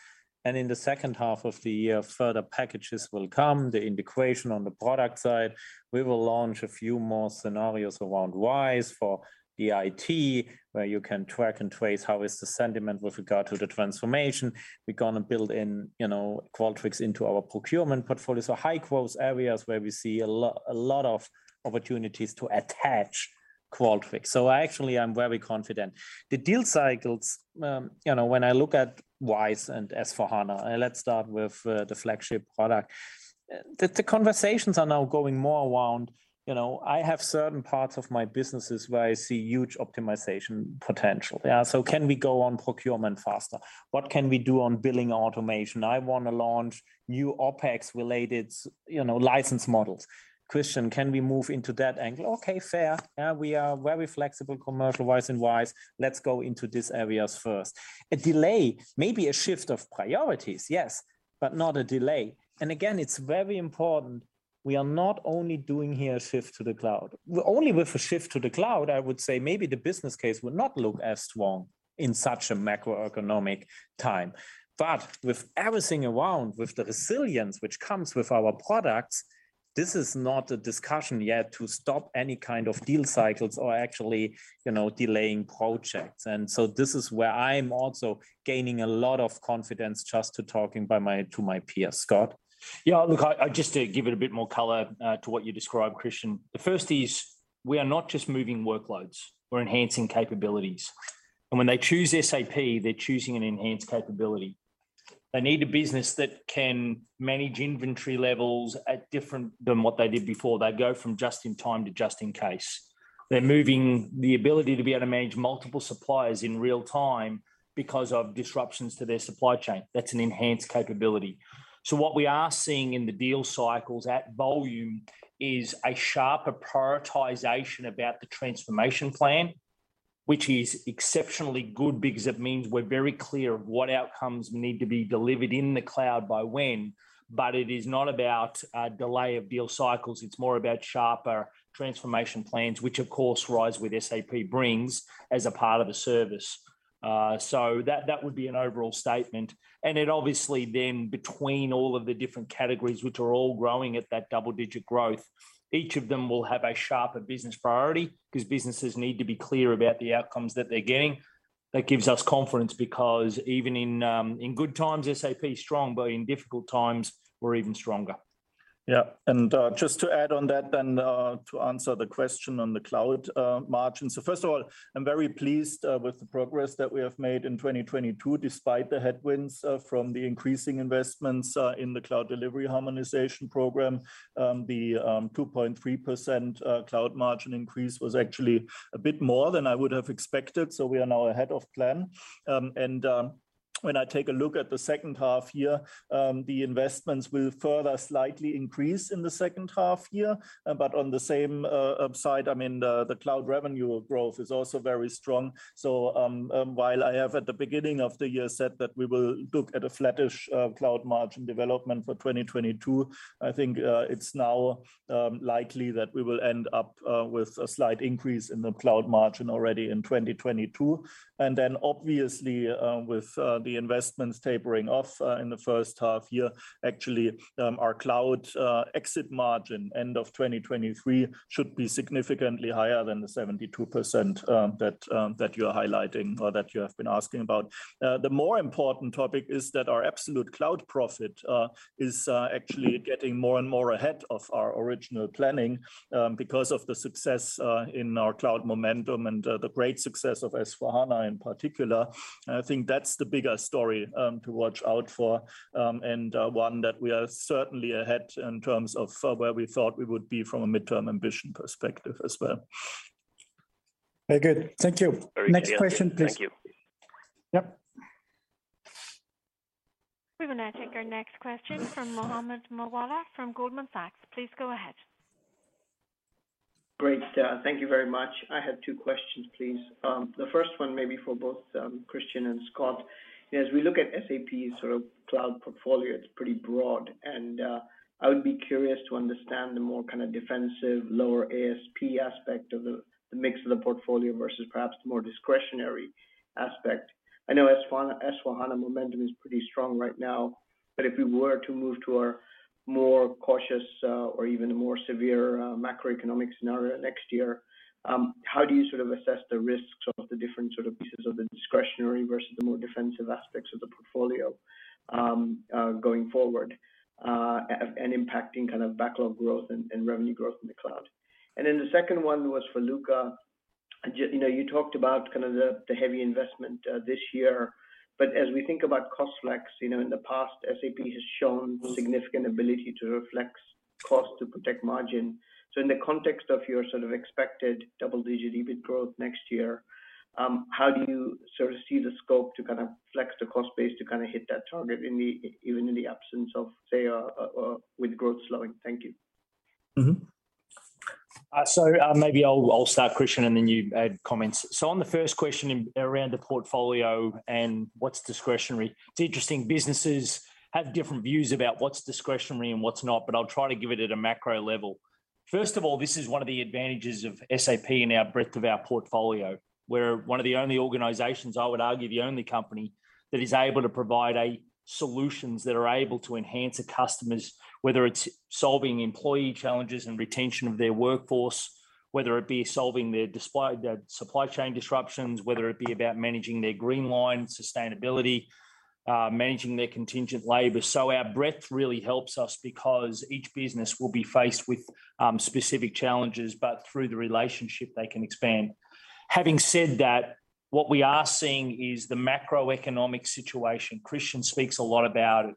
In the second half of the year, further packages will come. The integration on the product side, we will launch a few more scenarios around RISE with SAP, where you can track and trace how is the sentiment with regard to the transformation. We're gonna build in, you know, Qualtrics into our procurement portfolio. High growth areas where we see a lot of opportunities to attach Qualtrics. Actually, I'm very confident. The deal cycles, you know, when I look at RISE and S/4HANA, let's start with the flagship product. The conversations are now going more around, you know, I have certain parts of my businesses where I see huge optimization potential. So can we go on procurement faster? What can we do on billing automation? I wanna launch new OpEx related, you know, license models. Christian, can we move into that angle? Okay, fair. We are very flexible commercial-wise in RISE. Let's go into these areas first. A delay, maybe a shift of priorities, yes, but not a delay. Again, it's very important, we are not only doing here a shift to the cloud. Only with a shift to the cloud, I would say maybe the business case would not look as strong in such a macroeconomic time. With everything around, with the resilience which comes with our products, this is not a discussion yet to stop any kind of deal cycles or actually, you know, delaying projects. This is where I'm also gaining a lot of confidence just from talking to my peers. Scott? Yeah. Look, I just to give it a bit more color to what you described, Christian. The first is we are not just moving workloads. We're enhancing capabilities. When they choose SAP, they're choosing an enhanced capability. They need a business that can manage inventory levels at different than what they did before. They go from just in time to just in case. They're moving the ability to be able to manage multiple suppliers in real time because of disruptions to their supply chain. That's an enhanced capability. What we are seeing in the deal cycles at volume is a sharper prioritization about the transformation plan, which is exceptionally good because it means we're very clear of what outcomes need to be delivered in the cloud by when. It is not about a delay of deal cycles, it's more about sharper transformation plans, which of course, RISE with SAP brings as a part of a service. That would be an overall statement. It obviously then between all of the different categories, which are all growing at that double-digit growth, each of them will have a sharper business priority because businesses need to be clear about the outcomes that they're getting. That gives us confidence because even in good times, SAP is strong, but in difficult times, we're even stronger. Just to add on that then, to answer the question on the cloud margins. I'm very pleased with the progress that we have made in 2022, despite the headwinds from the increasing investments in the cloud delivery harmonization program. The 2.3% cloud margin increase was actually a bit more than I would have expected. We are now ahead of plan. When I take a look at the second half year, the investments will further slightly increase in the second half year. On the same side, I mean, the cloud revenue growth is also very strong. While I have at the beginning of the year said that we will look at a flattish cloud margin development for 2022, I think it's now likely that we will end up with a slight increase in the cloud margin already in 2022. Then obviously, with the investments tapering off in the first half year, actually, our cloud exit margin end of 2023 should be significantly higher than the 72% that you're highlighting or that you have been asking about. The more important topic is that our absolute cloud profit is actually getting more and more ahead of our original planning because of the success in our cloud momentum and the great success of S/4HANA in particular. I think that's the bigger story to watch out for, and one that we are certainly ahead in terms of where we thought we would be from a midterm ambition perspective as well. Very good. Thank you. Very clear. Next question, please. Thank you. Yep. We will now take our next question from Mohammed Moawalla from Goldman Sachs. Please go ahead. Great. Thank you very much. I had two questions, please. The first one maybe for both, Christian and Scott. As we look at SAP's sort of cloud portfolio, it's pretty broad. I would be curious to understand the more kind of defensive lower ASP aspect of the mix of the portfolio versus perhaps the more discretionary aspect. I know S/4HANA momentum is pretty strong right now. If we were to move to a more cautious, or even a more severe, macroeconomic scenario next year, how do you sort of assess the risks of the different sort of pieces of the discretionary versus the more defensive aspects of the portfolio, going forward, and impacting kind of backlog growth and revenue growth in the cloud? Then the second one was for Luka. You know, you talked about kind of the heavy investment this year. As we think about cost flex, you know, in the past, SAP has shown significant ability to flex cost to protect margin. In the context of your sort of expected double-digit EBIT growth next year, how do you sort of see the scope to kind of flex the cost base to kind of hit that target in the even in the absence of, say, with growth slowing? Thank you. Maybe I'll start, Christian, and then you add comments. On the first question around the portfolio and what's discretionary, it's interesting. Businesses have different views about what's discretionary and what's not, but I'll try to give it at a macro level. First of all, this is one of the advantages of SAP and our breadth of our portfolio. We're one of the only organizations, I would argue, the only company that is able to provide a solutions that are able to enhance a customer's, whether it's solving employee challenges and retention of their workforce, whether it be solving their supply chain disruptions, whether it be about managing their green line sustainability, managing their contingent labor. Our breadth really helps us because each business will be faced with specific challenges, but through the relationship they can expand. Having said that, what we are seeing is the macroeconomic situation. Christian speaks a lot about it.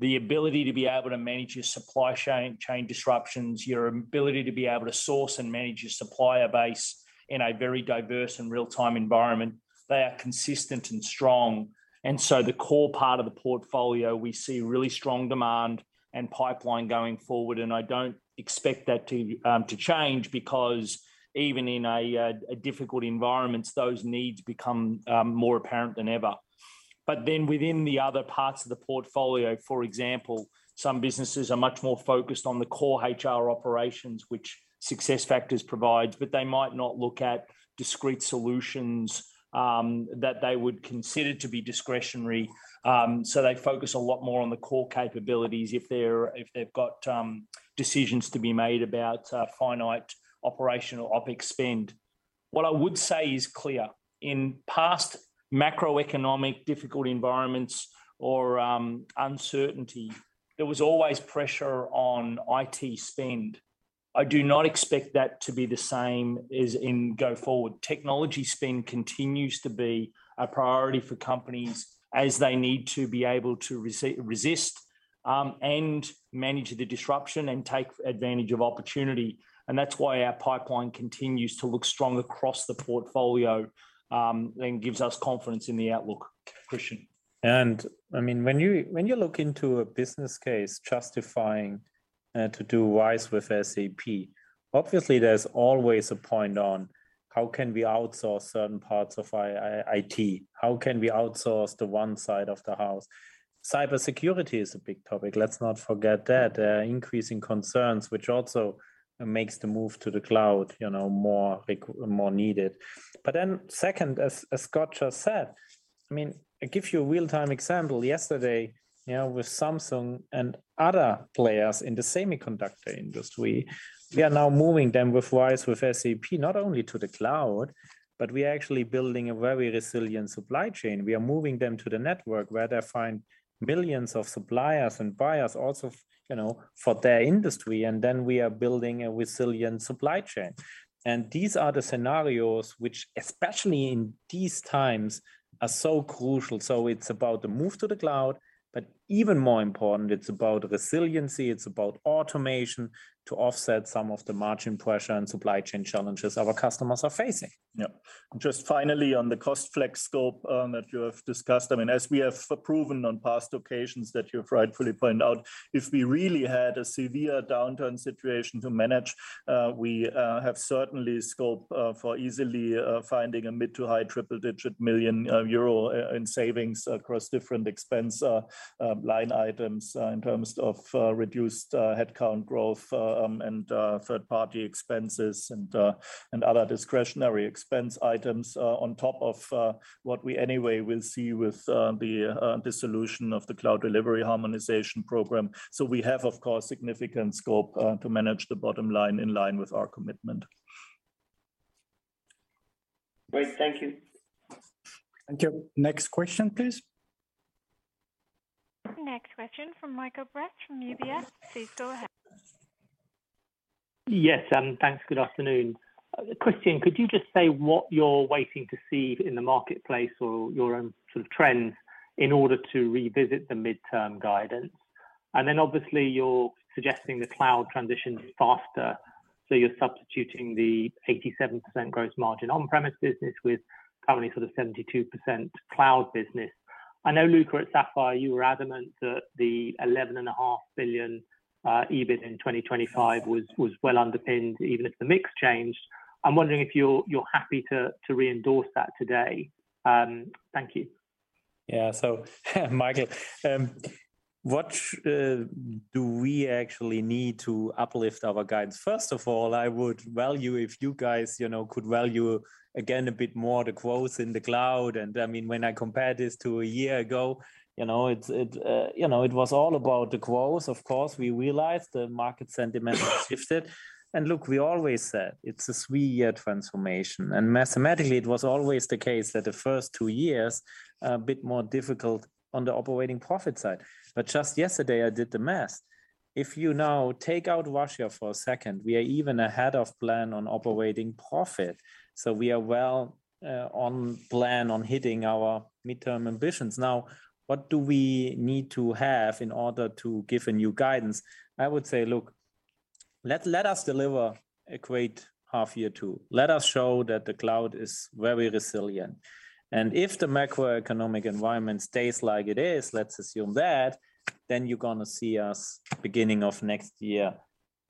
The ability to be able to manage your supply chain disruptions, your ability to be able to source and manage your supplier base in a very diverse and real-time environment. They are consistent and strong. The core part of the portfolio, we see really strong demand and pipeline going forward. I don't expect that to change because even in a difficult environments, those needs become more apparent than ever. Within the other parts of the portfolio, for example, some businesses are much more focused on the core HR operations, which SuccessFactors provides, but they might not look at discrete solutions that they would consider to be discretionary. They focus a lot more on the core capabilities if they've got decisions to be made about finite operational OpEx spend. What I would say is clear. In past macroeconomic difficult environments or uncertainty, there was always pressure on IT spend. I do not expect that to be the same going forward. Technology spend continues to be a priority for companies as they need to be able to resist and manage the disruption and take advantage of opportunity. That's why our pipeline continues to look strong across the portfolio and gives us confidence in the outlook. Christian. I mean, when you look into a business case justifying to do RISE with SAP, obviously there's always a point on how can we outsource certain parts of IT? How can we outsource the one side of the house? Cybersecurity is a big topic. Let's not forget that. Increasing concerns, which also makes the move to the cloud, you know, more needed. Second, as Scott just said, I mean, I give you a real-time example. Yesterday, you know, with Samsung and other players in the semiconductor industry, we are now moving them with RISE with SAP, not only to the cloud, but we are actually building a very resilient supply chain. We are moving them to the network where they find billions of suppliers and buyers also, you know, for their industry, and then we are building a resilient supply chain. These are the scenarios which, especially in these times, are so crucial. It's about the move to the cloud, but even more important, it's about resiliency, it's about automation to offset some of the margin pressure and supply chain challenges our customers are facing. Yeah. Just finally, on the cost flex scope that you have discussed, I mean, as we have proven on past occasions that you've rightfully pointed out, if we really had a severe downturn situation to manage, we have certainly scope for easily finding mid- to high-triple-digit million EUR in savings across different expense line items in terms of reduced headcount growth and third-party expenses and other discretionary expense items on top of what we anyway will see with the dissolution of the cloud delivery harmonization program. We have, of course, significant scope to manage the bottom line in line with our commitment. Great. Thank you. Thank you. Next question, please. Next question from Michael Briest from UBS. Please go ahead. Yes, thanks. Good afternoon. Christian, could you just say what you're waiting to see in the marketplace or your own sort of trends in order to revisit the midterm guidance? Obviously you're suggesting the cloud transition is faster, so you're substituting the 87% gross margin on-premise business with currently sort of 72% cloud business. I know, Luka, at SAP Sapphire, you were adamant that the 11.5 billion EBIT in 2025 was well underpinned, even if the mix changed. I'm wondering if you're happy to re-endorse that today. Thank you. Michael, what do we actually need to uplift our guidance? First of all, I would value if you guys could value again a bit more the growth in the cloud. I mean, when I compare this to a year ago, it was all about the growth. Of course, we realized the market sentiment shifted. Look, we always said it's a three-year transformation. Mathematically, it was always the case that the first two years are a bit more difficult on the operating profit side. But just yesterday, I did the math. If you now take out Russia for a second, we are even ahead of plan on operating profit. We are well on plan on hitting our midterm ambitions. Now, what do we need to have in order to give a new guidance? I would say, look, let us deliver a great H2. Let us show that the cloud is very resilient. If the macroeconomic environment stays like it is, let's assume that, then you're gonna see us beginning of next year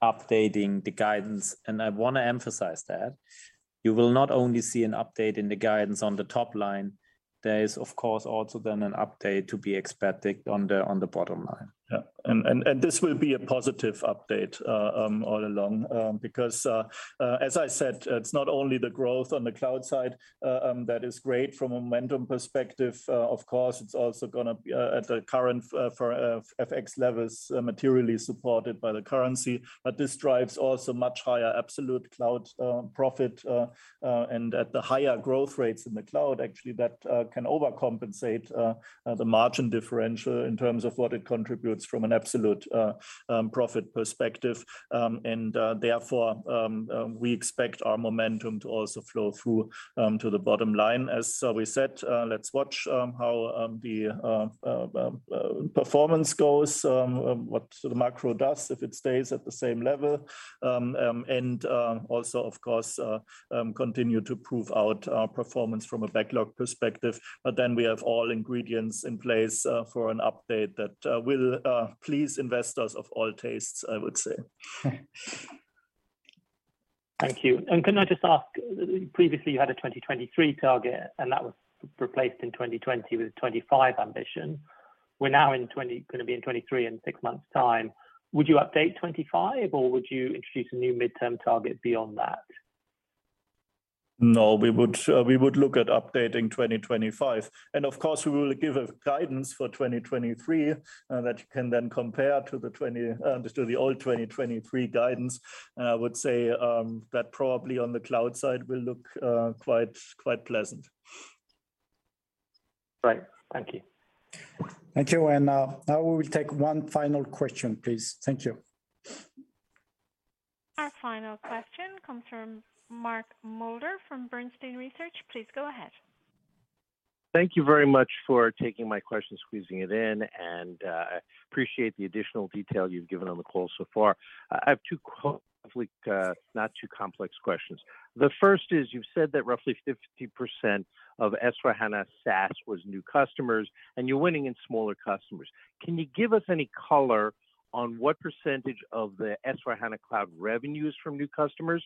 updating the guidance. I wanna emphasize that. You will not only see an update in the guidance on the top line. There is, of course, also then an update to be expected on the bottom line. This will be a positive update all along, because, as I said, it's not only the growth on the cloud side that is great from a momentum perspective. Of course, it's also gonna be, at the current for FX levels, materially supported by the currency. But this drives also much higher absolute cloud profit, and at the higher growth rates in the cloud, actually, that can overcompensate the margin differential in terms of what it contributes from an absolute profit perspective. Therefore, we expect our momentum to also flow through to the bottom line. As we said, let's watch how the performance goes, what the macro does if it stays at the same level, and also, of course, continue to prove out our performance from a backlog perspective. We have all ingredients in place for an update that will please investors of all tastes, I would say. Thank you. Can I just ask, previously you had a 2023 target, and that was replaced in 2020 with a 2025 ambition. We're now in 2022, gonna be in 2023 in six months time. Would you update 2025, or would you introduce a new midterm target beyond that? No. We would look at updating 2025. Of course, we will give a guidance for 2023 that you can then compare to the old 2023 guidance. I would say that probably on the cloud side will look quite pleasant. Great. Thank you. Thank you. Now we will take one final question, please. Thank you. Our final question comes from Mark Moerdler from Bernstein Research. Please go ahead. Thank you very much for taking my question, squeezing it in, and I appreciate the additional detail you've given on the call so far. I have two not too complex questions. The first is, you've said that roughly 50% of S/4HANA SaaS was new customers, and you're winning in smaller customers. Can you give us any color on what percentage of the S/4HANA Cloud revenue is from new customers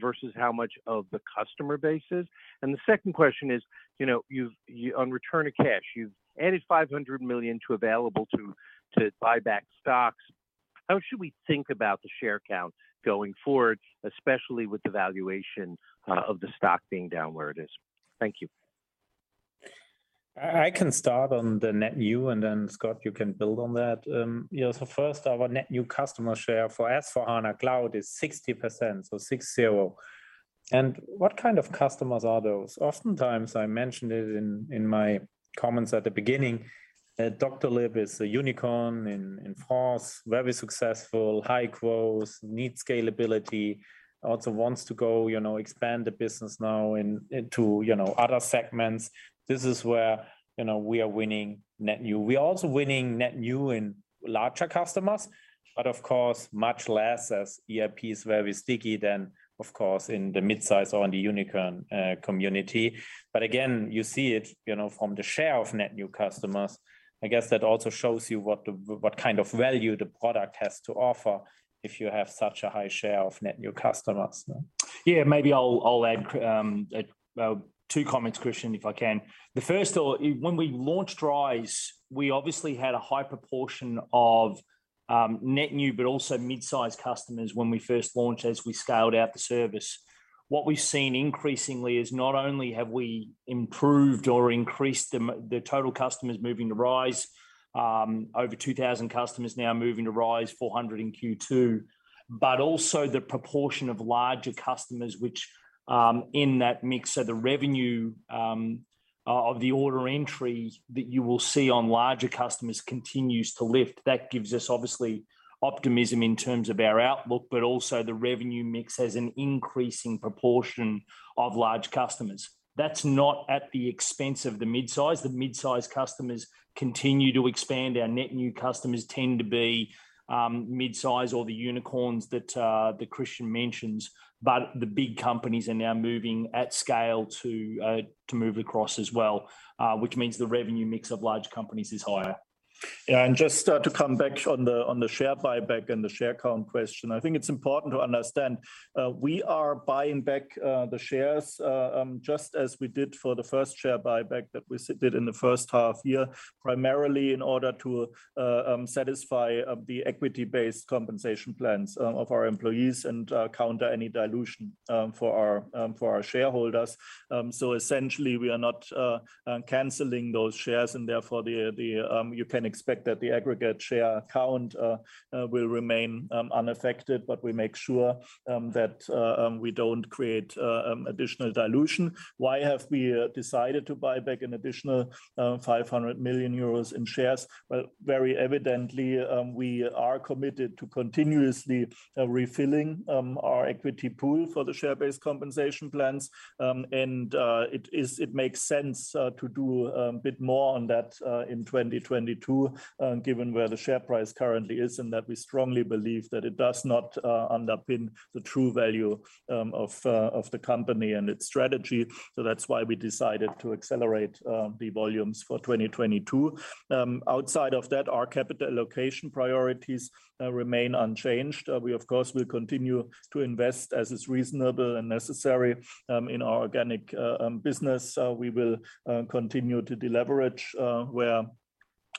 versus how much of the customer base is? And the second question is, you know, you've on return of cash, you've added 500 million to available to buy back stocks. How should we think about the share count going forward, especially with the valuation of the stock being down where it is? Thank you. I can start on the net new, and then Scott, you can build on that. You know, first, our net new customer share for S/4HANA Cloud is 60%. What kind of customers are those? Oftentimes, I mentioned it in my comments at the beginning, Doctolib is a unicorn in France, very successful, high growth, needs scalability, also wants to go, you know, expand the business now into, you know, other segments. This is where, you know, we are winning net new. We're also winning net new in larger customers, but of course, much less as ERP is very sticky than, of course, in the midsize or in the unicorn community. Again, you see it, you know, from the share of net new customers. I guess that also shows you what kind of value the product has to offer if you have such a high share of net new customers. Yeah. Maybe I'll add two comments, Christian, if I can. When we launched RISE, we obviously had a high proportion of net new, but also midsize customers when we first launched as we scaled out the service. What we've seen increasingly is not only have we improved or increased the total customers moving to RISE, over 2,000 customers now moving to RISE, 400 in Q2, but also the proportion of larger customers which in that mix. The revenue of the order entry that you will see on larger customers continues to lift. That gives us obviously optimism in terms of our outlook, but also the revenue mix as an increasing proportion of large customers. That's not at the expense of the midsize. The midsize customers continue to expand. Our net new customers tend to be midsize or the unicorns that Christian mentions. The big companies are now moving at scale to move across as well, which means the revenue mix of large companies is higher. Yeah. Just to come back on the share buyback and the share count question. I think it's important to understand we are buying back the shares just as we did for the first share buyback that we did in the first half year, primarily in order to satisfy the equity-based compensation plans of our employees and counter any dilution for our shareholders. Essentially, we are not canceling those shares, and therefore you can expect that the aggregate share count will remain unaffected. We make sure that we don't create additional dilution. Why have we decided to buy back an additional 500 million euros in shares? Well, very evidently, we are committed to continuously refilling our equity pool for the share-based compensation plans. It makes sense to do a bit more on that in 2022, given where the share price currently is, and that we strongly believe that it does not reflect the true value of the company and its strategy. That's why we decided to accelerate the volumes for 2022. Outside of that, our capital allocation priorities remain unchanged. We, of course, will continue to invest as is reasonable and necessary in our organic business. We will continue to deleverage where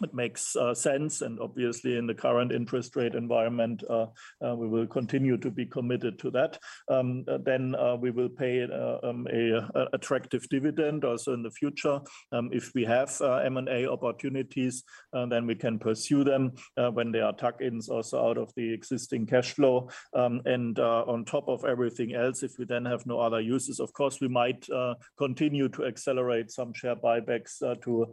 it makes sense. Obviously, in the current interest rate environment, we will continue to be committed to that. We will pay an attractive dividend also in the future. If we have M&A opportunities, then we can pursue them when they are tuck-ins also out of the existing cash flow. On top of everything else, if we then have no other uses, of course, we might continue to accelerate some share buybacks to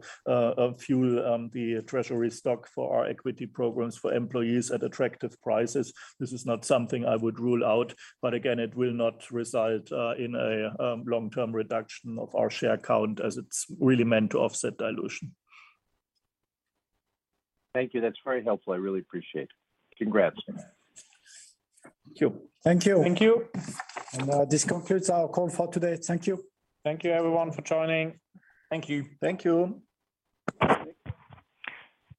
fuel the treasury stock for our equity programs for employees at attractive prices. This is not something I would rule out, but again, it will not result in a long-term reduction of our share count as it's really meant to offset dilution. Thank you. That's very helpful. I really appreciate. Congrats. Thank you. Thank you. Thank you. This concludes our call for today. Thank you. Thank you everyone for joining. Thank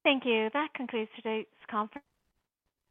you. Thank you. Thank you. That concludes today's conference.